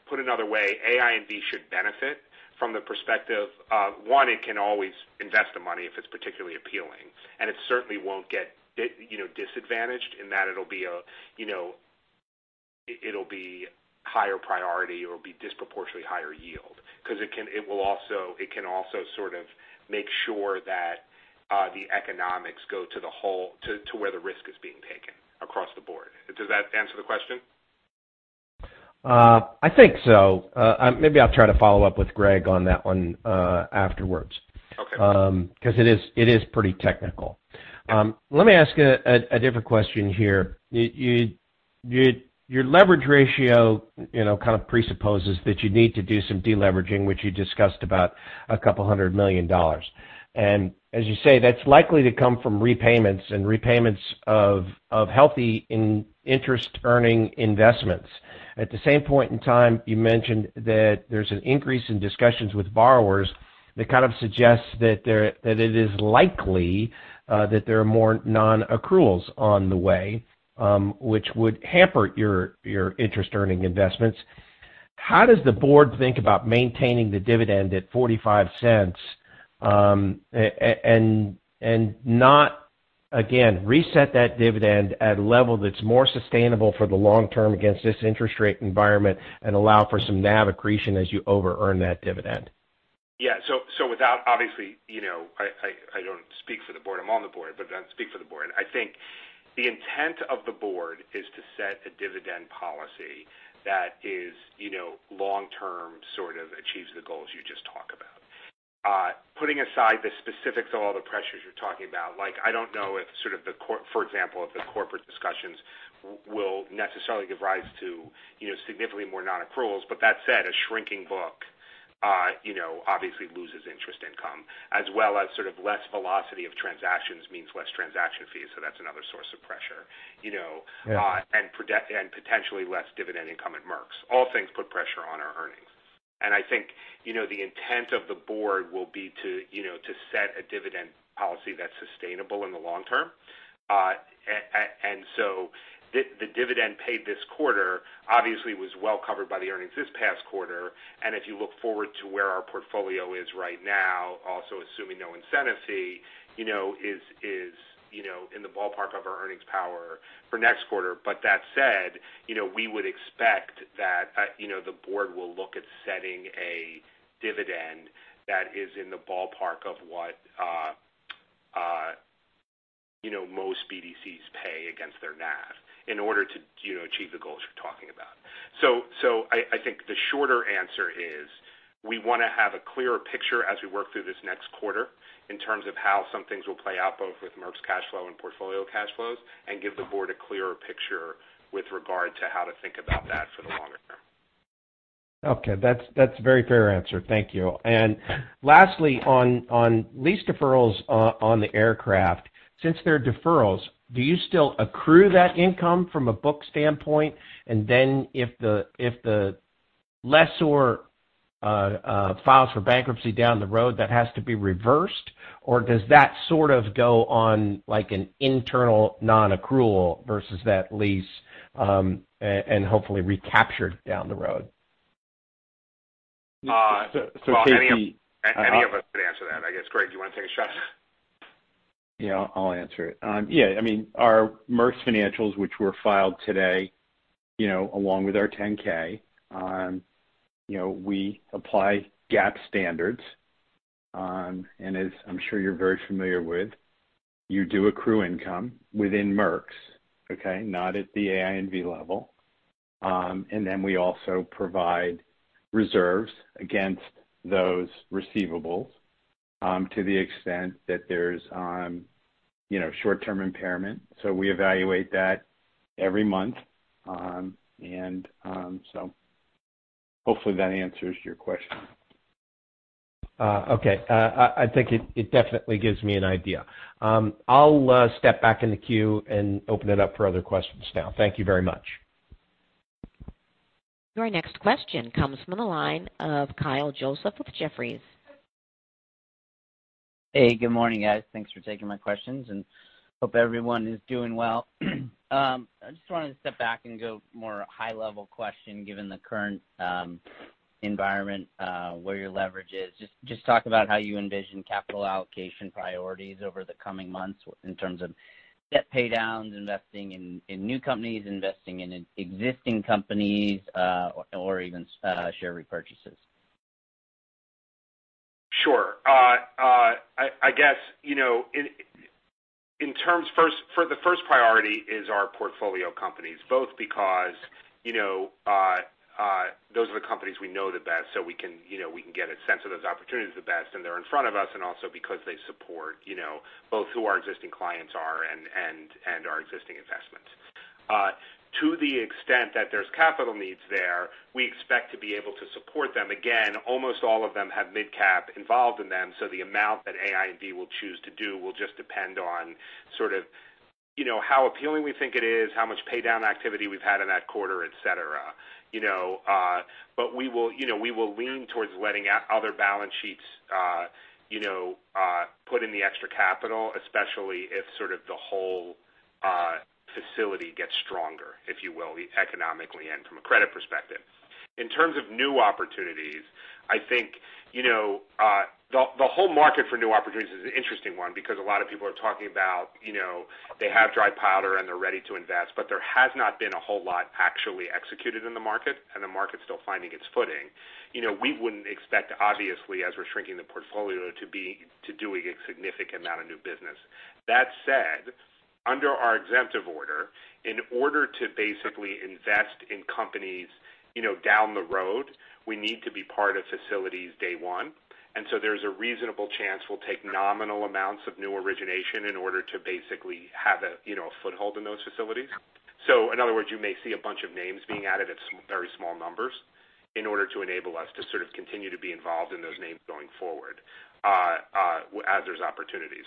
Put another way, AINV should benefit from the perspective of, one, it can always invest the money if it's particularly appealing, and it certainly won't get disadvantaged in that it'll be higher priority or it'll be disproportionately higher yield because it can also sort of make sure that the economics go to where the risk is being taken across the board. Does that answer the question? I think so. Maybe I'll try to follow up with Greg on that one afterwards. Okay. Because it is pretty technical. Let me ask a different question here. Your leverage ratio kind of presupposes that you need to do some de-leveraging, which you discussed about a couple hundred million dollars. As you say, that's likely to come from repayments and repayments of healthy interest-earning investments. At the same point in time, you mentioned that there's an increase in discussions with borrowers that kind of suggests that it is likely that there are more non-accruals on the way, which would hamper your interest-earning investments. How does the board think about maintaining the dividend at $0.45, and not again reset that dividend at a level that's more sustainable for the long term against this interest rate environment and allow for some NAV accretion as you over earn that dividend? Yeah. Obviously, I don't speak for the board. I'm on the board, but I don't speak for the board. I think the intent of the board is to set a dividend policy that is long-term, sort of achieves the goals you just talk about. Putting aside the specifics of all the pressures you're talking about, like I don't know if, for example, if the corporate discussions will necessarily give rise to significantly more non-accruals. That said, a shrinking book obviously loses interest income, as well as sort of less velocity of transactions means less transaction fees, that's another source of pressure. Yeah. Potentially less dividend income at Merx's. All things put pressure on our earnings. I think the intent of the board will be to set a dividend policy that's sustainable in the long term. The dividend paid this quarter obviously was well covered by the earnings this past quarter. If you look forward to where our portfolio is right now, also assuming no incentive fee, is in the ballpark of our earnings power for next quarter. That said, we would expect that the board will look at setting a dividend that is in the ballpark of what most BDCs pay against their NAV in order to achieve the goals you're talking about. I think the shorter answer is we want to have a clearer picture as we work through this next quarter in terms of how some things will play out, both with Merx's cash flow and portfolio cash flows, and give the board a clearer picture with regard to how to think about that for the longer term. Okay. That's a very fair answer. Thank you. Lastly, on lease deferrals on the aircraft. Since they're deferrals, do you still accrue that income from a book standpoint? If the lessor files for bankruptcy down the road, that has to be reversed? Does that sort of go on like an internal non-accrual versus that lease, and hopefully recaptured down the road? Any of us could answer that, I guess. Greg, do you want to take a shot? Yeah, I'll answer it. Yeah, our Merx's financials, which were filed today, along with our 10-K, we apply GAAP standards. As I'm sure you're very familiar with, you do accrue income within Merx's. Okay? Not at the AINV level. We also provide reserves against those receivables, to the extent that there's short-term impairment. We evaluate that every month. Hopefully that answers your question. Okay. I think it definitely gives me an idea. I'll step back in the queue and open it up for other questions now. Thank you very much. Your next question comes from the line of Kyle Joseph of Jefferies. Hey, good morning, guys. Thanks for taking my questions. Hope everyone is doing well. I just wanted to step back and go more high-level question, given the current environment, where your leverage is. Talk about how you envision capital allocation priorities over the coming months in terms of debt paydowns, investing in new companies, investing in existing companies, or even share repurchases. Sure. I guess, for the first priority is our portfolio companies. Both because those are the companies we know the best, so we can get a sense of those opportunities the best and they're in front of us, and also because they support both who our existing clients are and our existing investments. To the extent that there's capital needs there, we expect to be able to support them. Again, almost all of them have MidCap involved in them, so the amount that AINV will choose to do will just depend on sort of how appealing we think it is, how much pay down activity we've had in that quarter, et cetera. We will lean towards letting other balance sheets put in the extra capital, especially if sort of the whole facility gets stronger, if you will, economically and from a credit perspective. In terms of new opportunities, I think, the whole market for new opportunities is an interesting one because a lot of people are talking about they have dry powder and they're ready to invest, but there has not been a whole lot actually executed in the market, and the market's still finding its footing. We wouldn't expect, obviously, as we're shrinking the portfolio, to doing a significant amount of new business. That said, under our exemptive order, in order to basically invest in companies down the road, we need to be part of facilities day one. There's a reasonable chance we'll take nominal amounts of new origination in order to basically have a foothold in those facilities. In other words, you may see a bunch of names being added at very small numbers in order to enable us to sort of continue to be involved in those names going forward as there's opportunities.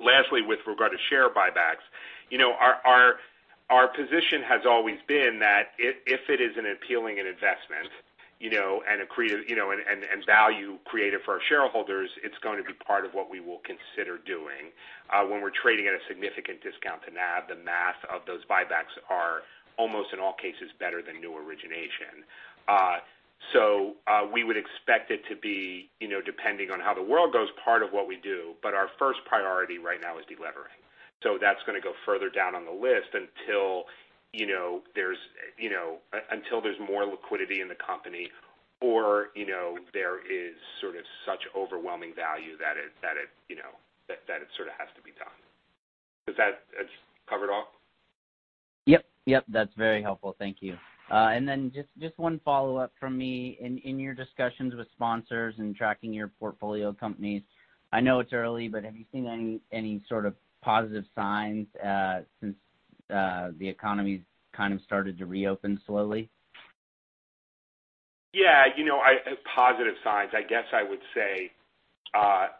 Lastly, with regard to share buybacks, our position has always been that if it is an appealing investment, and value created for our shareholders, it's going to be part of what we will consider doing. When we're trading at a significant discount to NAV, the math of those buybacks are almost in all cases better than new origination. We would expect it to be, depending on how the world goes, part of what we do. Our first priority right now is de-levering. That's going to go further down on the list until there's more liquidity in the company or there is sort of such overwhelming value that it sort of has to be done. Does that cover it all? Yep. That's very helpful. Thank you. Just one follow-up from me. In your discussions with sponsors and tracking your portfolio companies, I know it's early, but have you seen any sort of positive signs since the economy's kind of started to reopen slowly? Yeah. Positive signs, I guess I would say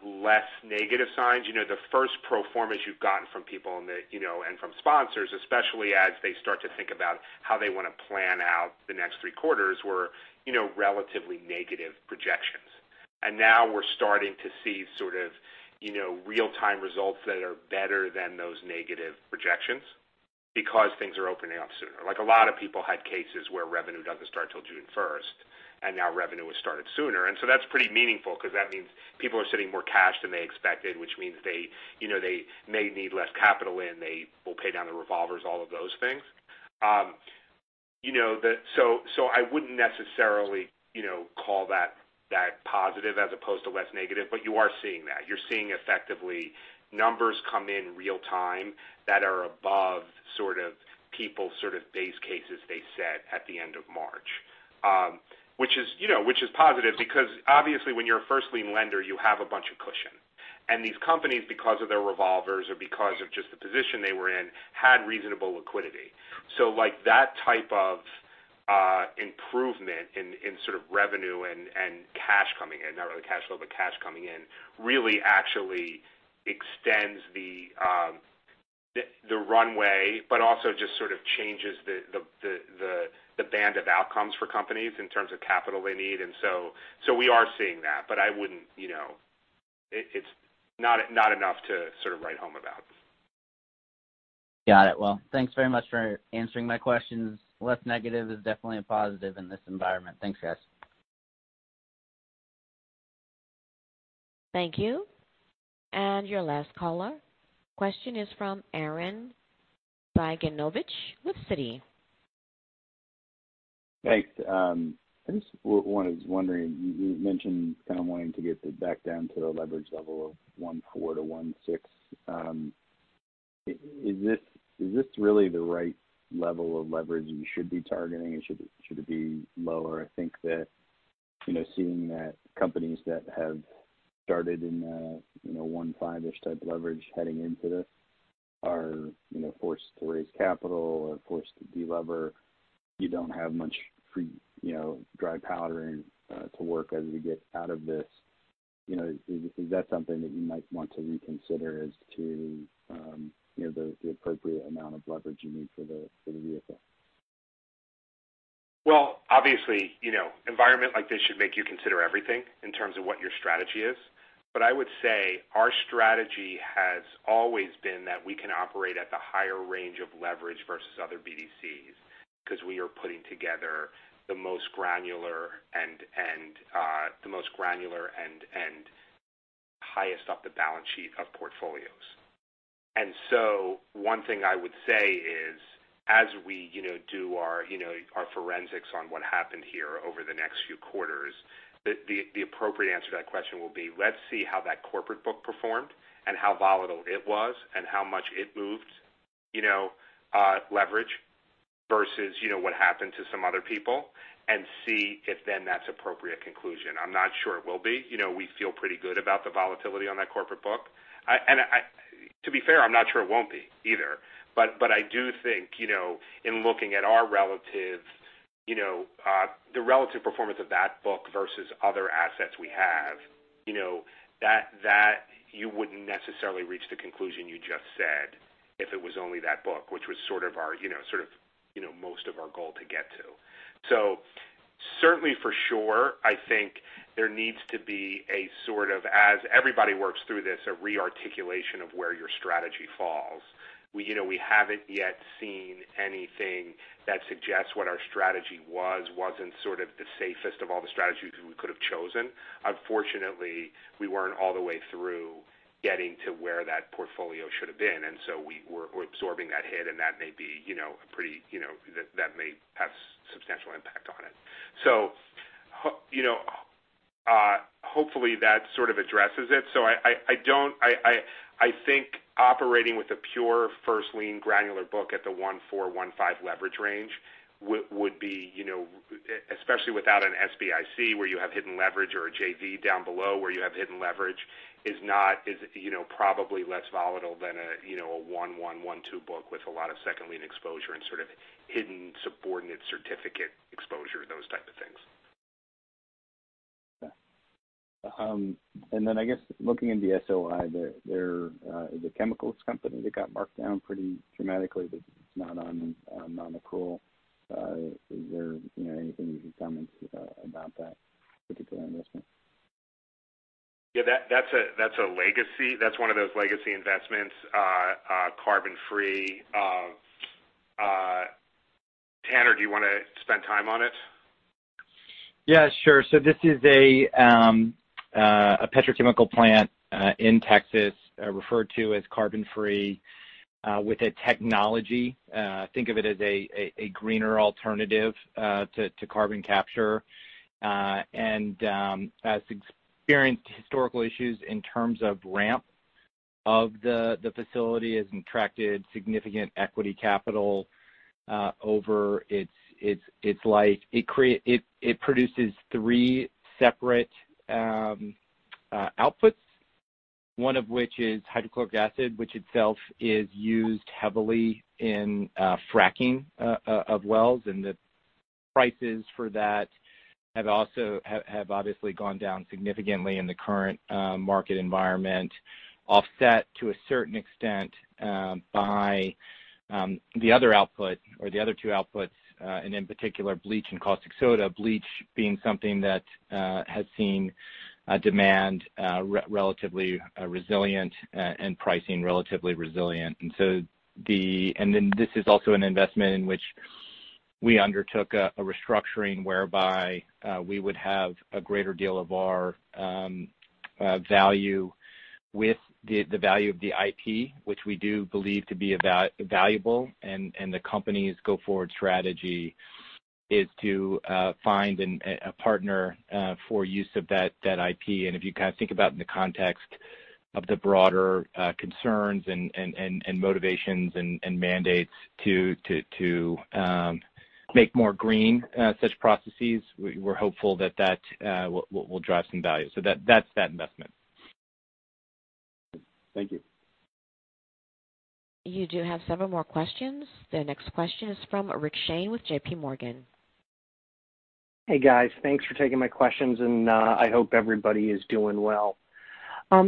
less negative signs. The first pro formas you've gotten from people and from sponsors, especially as they start to think about how they want to plan out the next three quarters were relatively negative projections. Now we're starting to see sort of real-time results that are better than those negative projections because things are opening up sooner. Like a lot of people had cases where revenue doesn't start till June 1st, and now revenue has started sooner. That's pretty meaningful because that means people are sitting more cash than they expected, which means they may need less capital in, they will pay down the revolvers, all of those things. I wouldn't necessarily call that positive as opposed to less negative, but you are seeing that. You're seeing effectively numbers come in real time that are above sort of people's sort of base cases they set at the end of March. Which is positive because obviously when you're a first lien lender, you have a bunch of cushion. These companies, because of their revolvers or because of just the position they were in, had reasonable liquidity. That type of improvement in sort of revenue and cash coming in, not really cash flow, but cash coming in, really actually extends the runway, but also just sort of changes the band of outcomes for companies in terms of capital they need. We are seeing that, but it's not enough to sort of write home about. Got it. Well, thanks very much for answering my questions. Less negative is definitely a positive in this environment. Thanks, guys. Thank you. Your last caller, question is from Arren Cyganovich with Citi. Thanks. I just was wondering, you mentioned kind of wanting to get back down to the leverage level of 1.4-1.6. Is this really the right level of leverage you should be targeting? Should it be lower? I think that, seeing that companies that have started in 1.5-ish type leverage heading into this are forced to raise capital or forced to de-lever, you don't have much free dry powder to work as we get out of this. Is that something that you might want to reconsider as to the appropriate amount of leverage you need for the vehicle? Well, obviously, environment like this should make you consider everything in terms of what your strategy is. I would say our strategy has always been that we can operate at the higher range of leverage versus other BDCs because we are putting together the most granular and highest up the balance sheet of portfolios. One thing I would say is, as we do our forensics on what happened here over the next few quarters, the appropriate answer to that question will be, let's see how that corporate book performed and how volatile it was and how much it moved leverage versus what happened to some other people and see if then that's appropriate conclusion. I'm not sure it will be. We feel pretty good about the volatility on that corporate book. To be fair, I'm not sure it won't be either. I do think, in looking at the relative performance of that book versus other assets we have that you wouldn't necessarily reach the conclusion you just said if it was only that book, which was sort of most of our goal to get to. Certainly for sure, I think there needs to be a sort of, as everybody works through this, a re-articulation of where your strategy falls. We haven't yet seen anything that suggests what our strategy was, wasn't sort of the safest of all the strategies we could have chosen. Unfortunately, we weren't all the way through getting to where that portfolio should have been, and so we're absorbing that hit, and that may have substantial impact on it. Hopefully that sort of addresses it. I think operating with a pure first lien granular book at the 1.4, 1.5 leverage range would be, especially without an SBIC where you have hidden leverage or a JV down below where you have hidden leverage, is probably less volatile than a 1.1-1.2 Book with a lot of second lien exposure and sort of hidden subordinate certificate exposure, those type of things. Yeah. I guess looking in the SOI there, is a chemicals company that got marked down pretty dramatically, but it's not on the call. Is there anything you can comment about that particular investment? Yeah, that's one of those legacy investments, Carbonfree Chemicals. Tanner, do you want to spend time on it? This is a petrochemical plant in Texas referred to as Carbonfree Chemicals with a technology. Think of it as a greener alternative to carbon capture. Has experienced historical issues in terms of ramp of the facility has attracted significant equity capital over its life. It produces three separate outputs, one of which is hydrochloric acid, which itself is used heavily in fracking of wells, and the prices for that have obviously gone down significantly in the current market environment, offset to a certain extent by the other output or the other two outputs, and in particular, bleach and caustic soda. Bleach being something that has seen demand relatively resilient and pricing relatively resilient. This is also an investment in which we undertook a restructuring whereby we would have a greater deal of our value with the value of the IP, which we do believe to be valuable. The company's go-forward strategy is to find a partner for use of that IP. If you kind of think about in the context of the broader concerns and motivations and mandates to make more green such processes. We're hopeful that will drive some value. That's that investment. Thank you. You do have several more questions. The next question is from Rick Shane with JPMorgan. Hey, guys. Thanks for taking my questions, and I hope everybody is doing well. I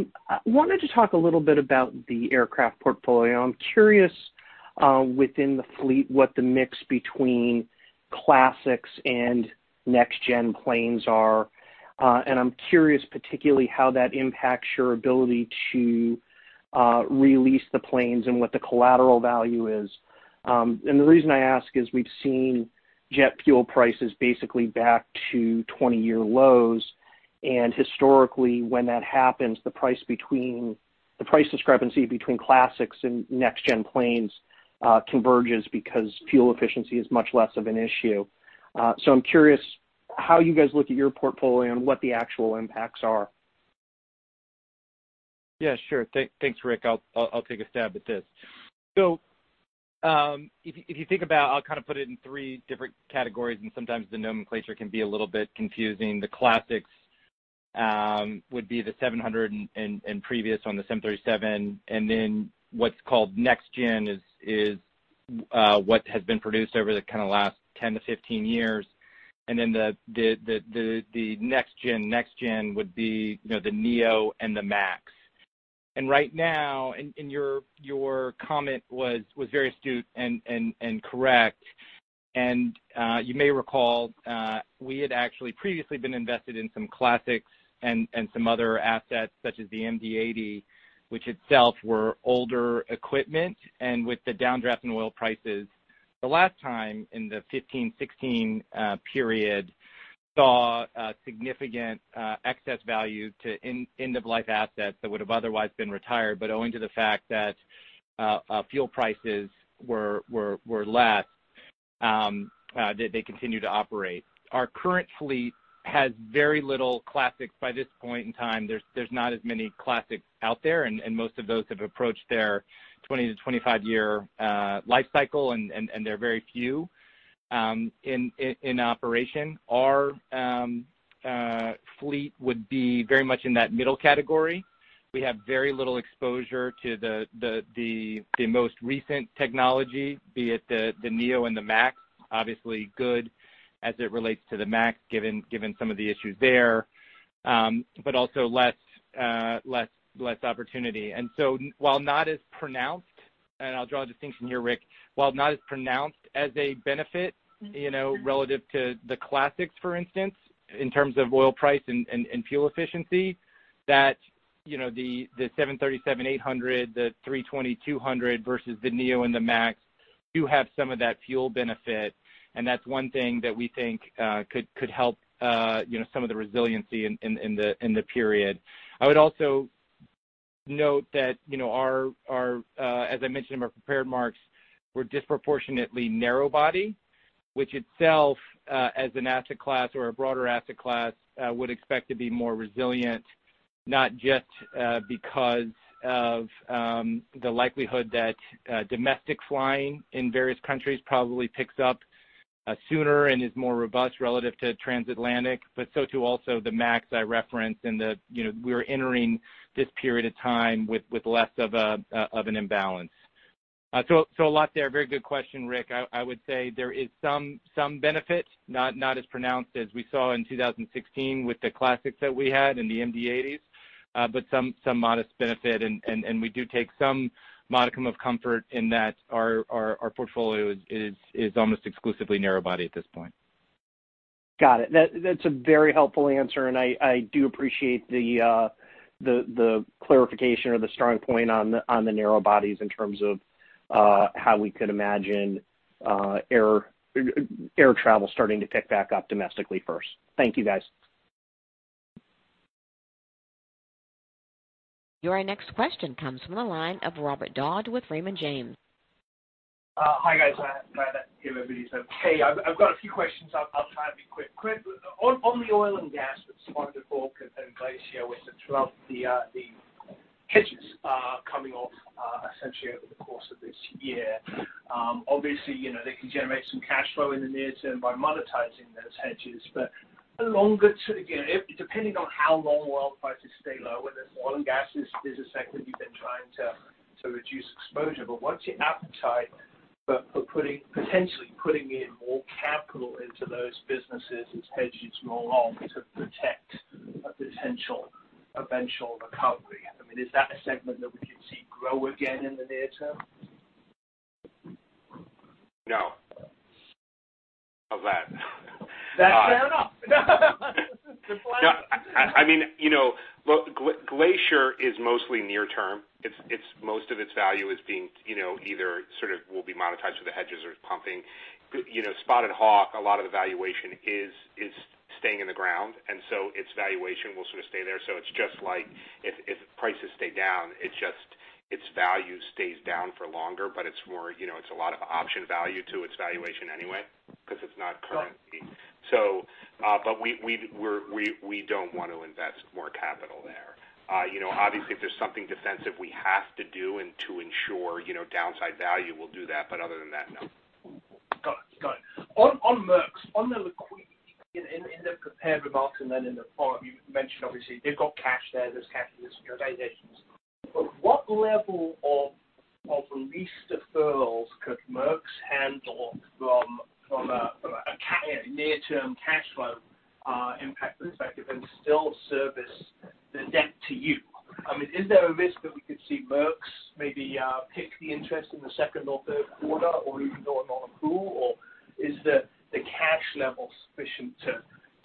wanted to talk a little bit about the aircraft portfolio. I'm curious, within the fleet, what the mix between classics and next-gen planes are. I'm curious particularly how that impacts your ability to release the planes and what the collateral value is. The reason I ask is we've seen jet fuel prices basically back to 20-year lows, and historically, when that happens, the price discrepancy between classics and next-gen planes converges because fuel efficiency is much less of an issue. I'm curious how you guys look at your portfolio and what the actual impacts are. Yeah, sure. Thanks, Rick. I'll take a stab at this. If you think about, I'll put it in three different categories. Sometimes the nomenclature can be a little bit confusing. The classics would be the 700 and previous on the 737. Then what's called next-gen is what has been produced over the last 10-15 years. Then the next-gen, next-gen would be the neo and the MAX. Right now, your comment was very astute and correct. You may recall, we had actually previously been invested in some classics and some other assets such as the MD-80, which itself were older equipment. With the downdraft in oil prices the last time in the 2015-2016 period saw a significant excess value to end-of-life assets that would've otherwise been retired. Owing to the fact that fuel prices were less, they continue to operate. Our current fleet has very little classics by this point in time. There's not as many classics out there, and most of those have approached their 20-25-year life cycle, and they're very few in operation. Our fleet would be very much in that middle category. We have very little exposure to the most recent technology, be it the Neo and the MAX. Obviously good as it relates to the MAX, given some of the issues there. Also less opportunity. While not as pronounced, and I'll draw a distinction here, Rick. While not as pronounced as a benefit relative to the classics, for instance, in terms of oil price and fuel efficiency. The 737-800, the A320-200 versus the A320neo and the 737 MAX do have some of that fuel benefit, and that's one thing that we think could help some of the resiliency in the period. I would also note that, as I mentioned in our prepared marks, we're disproportionately narrowbody. Which itself, as an asset class or a broader asset class, would expect to be more resilient, not just because of the likelihood that domestic flying in various countries probably picks up sooner and is more robust relative to transatlantic, but so too also the 737 MAX I referenced and that we are entering this period of time with less of an imbalance. A lot there. Very good question, Rick. I would say there is some benefit, not as pronounced as we saw in 2016 with the classics that we had and the MD-80s. Some modest benefit, and we do take some modicum of comfort in that our portfolio is almost exclusively narrowbody at this point. Got it. That's a very helpful answer. I do appreciate the clarification or the strong point on the narrow bodies in terms of how we could imagine air travel starting to pick back up domestically first. Thank you, guys. Your next question comes from the line of Robert Dodd with Raymond James. Hi, guys. Everybody's okay. I've got a few questions. I'll try and be quick. On the oil and gas with Spotted Hawk and Glacier with the hedges are coming off, essentially over the course of this year. Obviously, they can generate some cash flow in the near term by monetizing those hedges. Again, depending on how long oil prices stay low, and as oil and gas is a segment you've been trying to reduce exposure. What's your appetite for potentially putting in more capital into those businesses as hedges more long to protect a potential eventual recovery? I mean, is that a segment that we could see grow again in the near term? No. of that. That's fair enough. I mean, look, Glacier Oil & Gas is mostly near term. Most of its value is being either sort of will be monetized with the hedges or it's pumping. Spotted Hawk Development, LLC, a lot of the valuation is staying in the ground. Its valuation will sort of stay there. It's just like if prices stay down, it's just its value stays down for longer, but it's a lot of option value to its valuation anyway because it's not current- We don't want to invest more capital there. Obviously, if there's something defensive we have to do and to ensure downside value, we'll do that. Other than that, no. Got it. On Merx's, on the liquidity in the prepared remarks and then in the forum, you mentioned obviously they've got cash there. There's cash in these organizations. What level of lease deferrals could Merx's handle from a near-term cash flow impact perspective and still service the debt to you? Is there a risk that we could see Merx's maybe PIK the interest in the second or third quarter, or even go on non-accrual, or is the cash level sufficient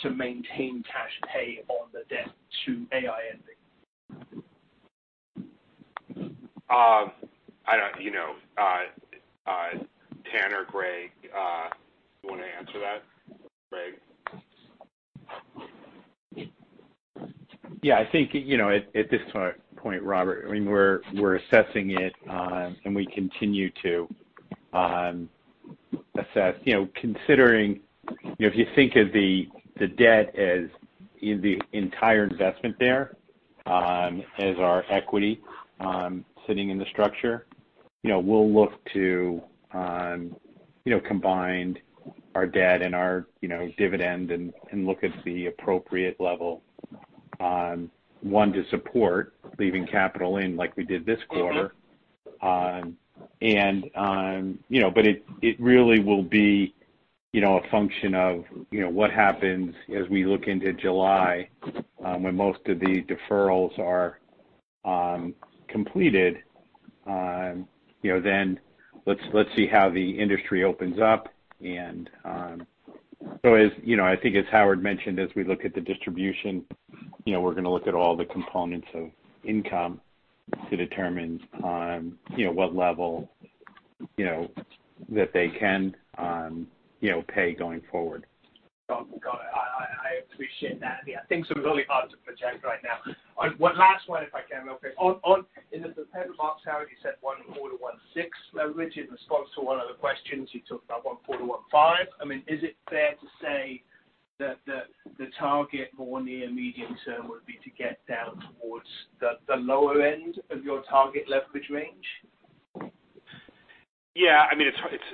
to maintain cash pay on the debt to AINV? I don't Tanner, Greg, you want to answer that? Greg? Yeah, I think, at this point, Robert, we're assessing it, and we continue to assess. Considering if you think of the debt as the entire investment there, as our equity sitting in the structure, we'll look to combined our debt and our dividend and look at the appropriate level, one to support leaving capital in like we did this quarter. It really will be a function of what happens as we look into July, when most of the deferrals are completed. Let's see how the industry opens up. As I think as Howard mentioned, as we look at the distribution, we're going to look at all the components of income to determine what level that they can pay going forward. Got it. I appreciate that. Yeah, things are really hard to project right now. One last one, if I can real quick. In the prepared remarks, Howard, you said 1.4-1.6 leverage. In response to one of the questions, you talked about 1.4-1.5. Is it fair to say that the target for near medium-term would be to get down towards the lower end of your target leverage range? Yeah.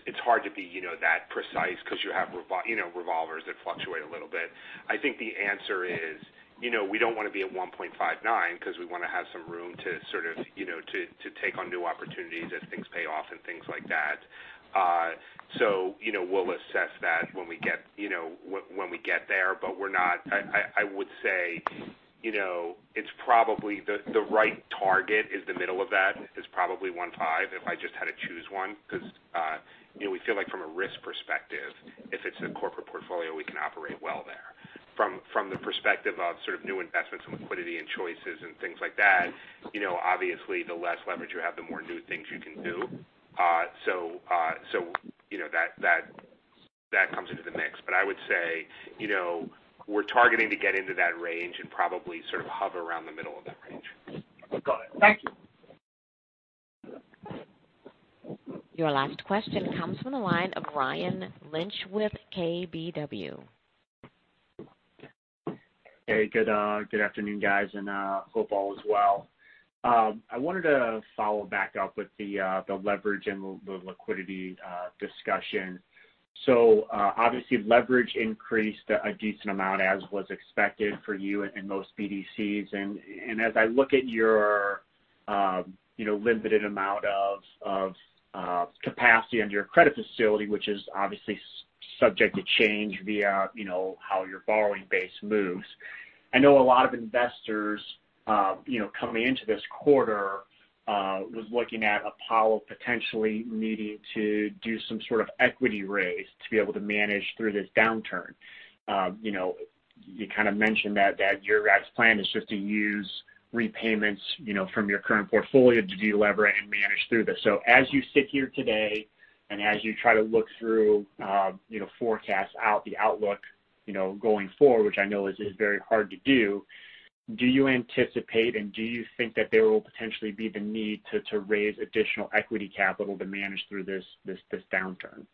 It's hard to be that precise because you have revolvers that fluctuate a little bit. I think the answer is, we don't want to be at 1.59 because we want to have some room to take on new opportunities as things pay off and things like that. We'll assess that when we get there. I would say, the right target is the middle of that, is probably 1.5 if I just had to choose one, because we feel like from a risk perspective, if it's a corporate portfolio, we can operate well there. From the perspective of sort of new investments and liquidity and choices and things like that, obviously the less leverage you have, the more new things you can do. That comes into the mix. I would say, we're targeting to get into that range and probably sort of hover around the middle of that range. Got it. Thank you. Your last question comes from the line of Ryan Lynch with KBW. Hey, good afternoon, guys. Hope all is well. I wanted to follow back up with the leverage and the liquidity discussion. Obviously, leverage increased a decent amount as was expected for you and most BDCs. As I look at your limited amount of capacity under your credit facility, which is obviously subject to change via how your borrowing base moves. I know a lot of investors, coming into this quarter, was looking at Apollo potentially needing to do some sort of equity raise to be able to manage through this downturn. You kind of mentioned that your guys' plan is just to use repayments from your current portfolio to delever and manage through this. As you sit here today and as you try to look through, forecast out the outlook, going forward, which I know is very hard to do you anticipate and do you think that there will potentially be the need to raise additional equity capital to manage through this downturn?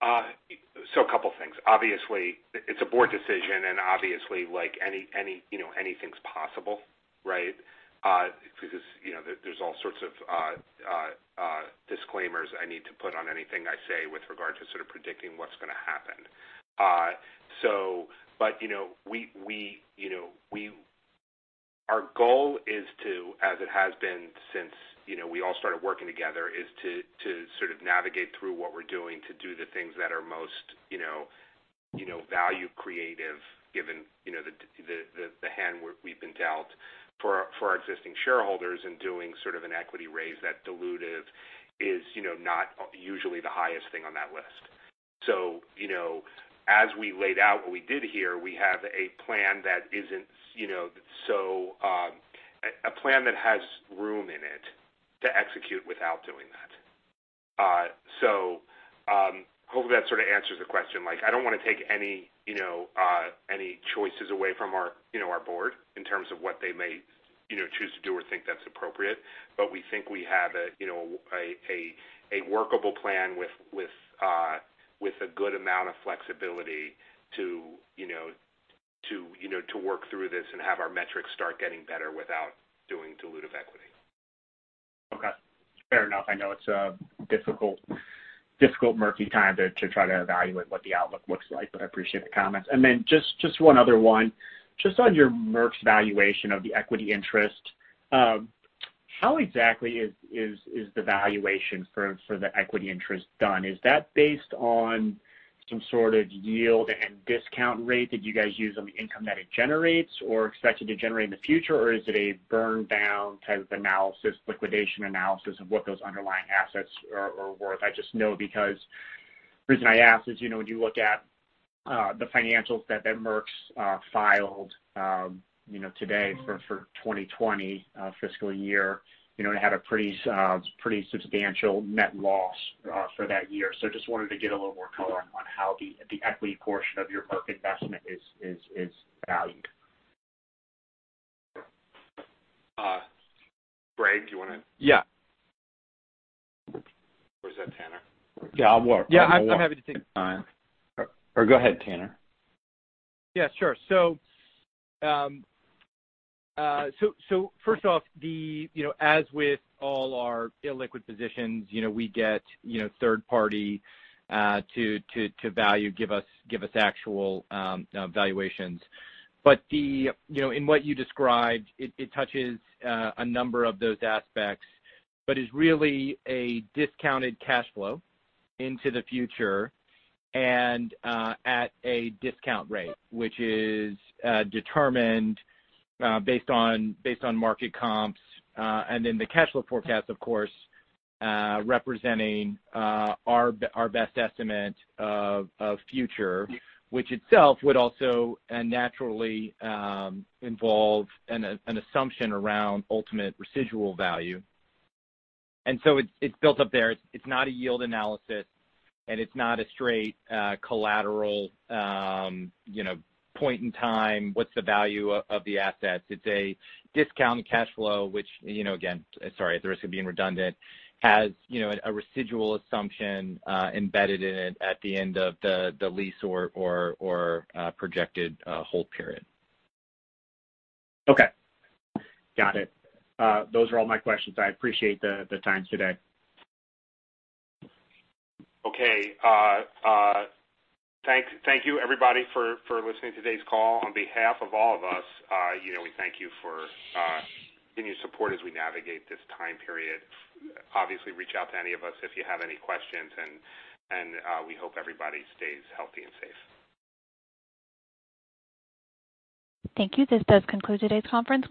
A couple of things. Obviously, it's a board decision, and obviously, anything's possible, right? Because there's all sorts of disclaimers I need to put on anything I say with regard to sort of predicting what's going to happen. Our goal is to, as it has been since we all started working together, is to sort of navigate through what we're doing to do the things that are most value creative, given the hand we've been dealt for our existing shareholders and doing sort of an equity raise that dilutive is not usually the highest thing on that list. As we laid out what we did here, we have a plan that has room in it to execute without doing that. Hopefully, that sort of answers the question. I don't want to take any choices away from our board in terms of what they may choose to do or think that's appropriate. We think we have a workable plan with a good amount of flexibility to work through this and have our metrics start getting better without doing dilutive equity. Okay, fair enough. I know it's a difficult, murky time to try to evaluate what the outlook looks like, but I appreciate the comments. Just one other one. Just on your Merx's valuation of the equity interest, how exactly is the valuation for the equity interest done? Is that based on some sort of yield and discount rate? Did you guys use on the income that it generates or expected to generate in the future? Is it a burn-down type of analysis, liquidation analysis of what those underlying assets are worth? I just know because, reason I ask is, when you look at the financials that Merx's filed today for 2020 fiscal year, it had a pretty substantial net loss for that year. Just wanted to get a little more color on how the equity portion of your Merx investment is valued. Greg, do you want to- Yeah. Is that Tanner? Yeah. Yeah, I'm happy to take it. Go ahead, Tanner. Yeah, sure. First off, as with all our illiquid positions, we get third party to value, give us actual valuations. In what you described, it touches a number of those aspects, but is really a discounted cash flow into the future and at a discount rate, which is determined based on market comps. The cash flow forecast, of course, representing our best estimate of future, which itself would also naturally involve an assumption around ultimate residual value. It's built up there. It's not a yield analysis and it's not a straight collateral point in time, what's the value of the assets? It's a discounted cash flow, which, again, sorry at the risk of being redundant, has a residual assumption embedded in it at the end of the lease or projected hold period. Okay. Got it. Those are all my questions. I appreciate the time today. Okay. Thank you everybody for listening to today's call. On behalf of all of us, we thank you for continued support as we navigate this time period. Obviously, reach out to any of us if you have any questions, and we hope everybody stays healthy and safe. Thank you. This does conclude today's conference call.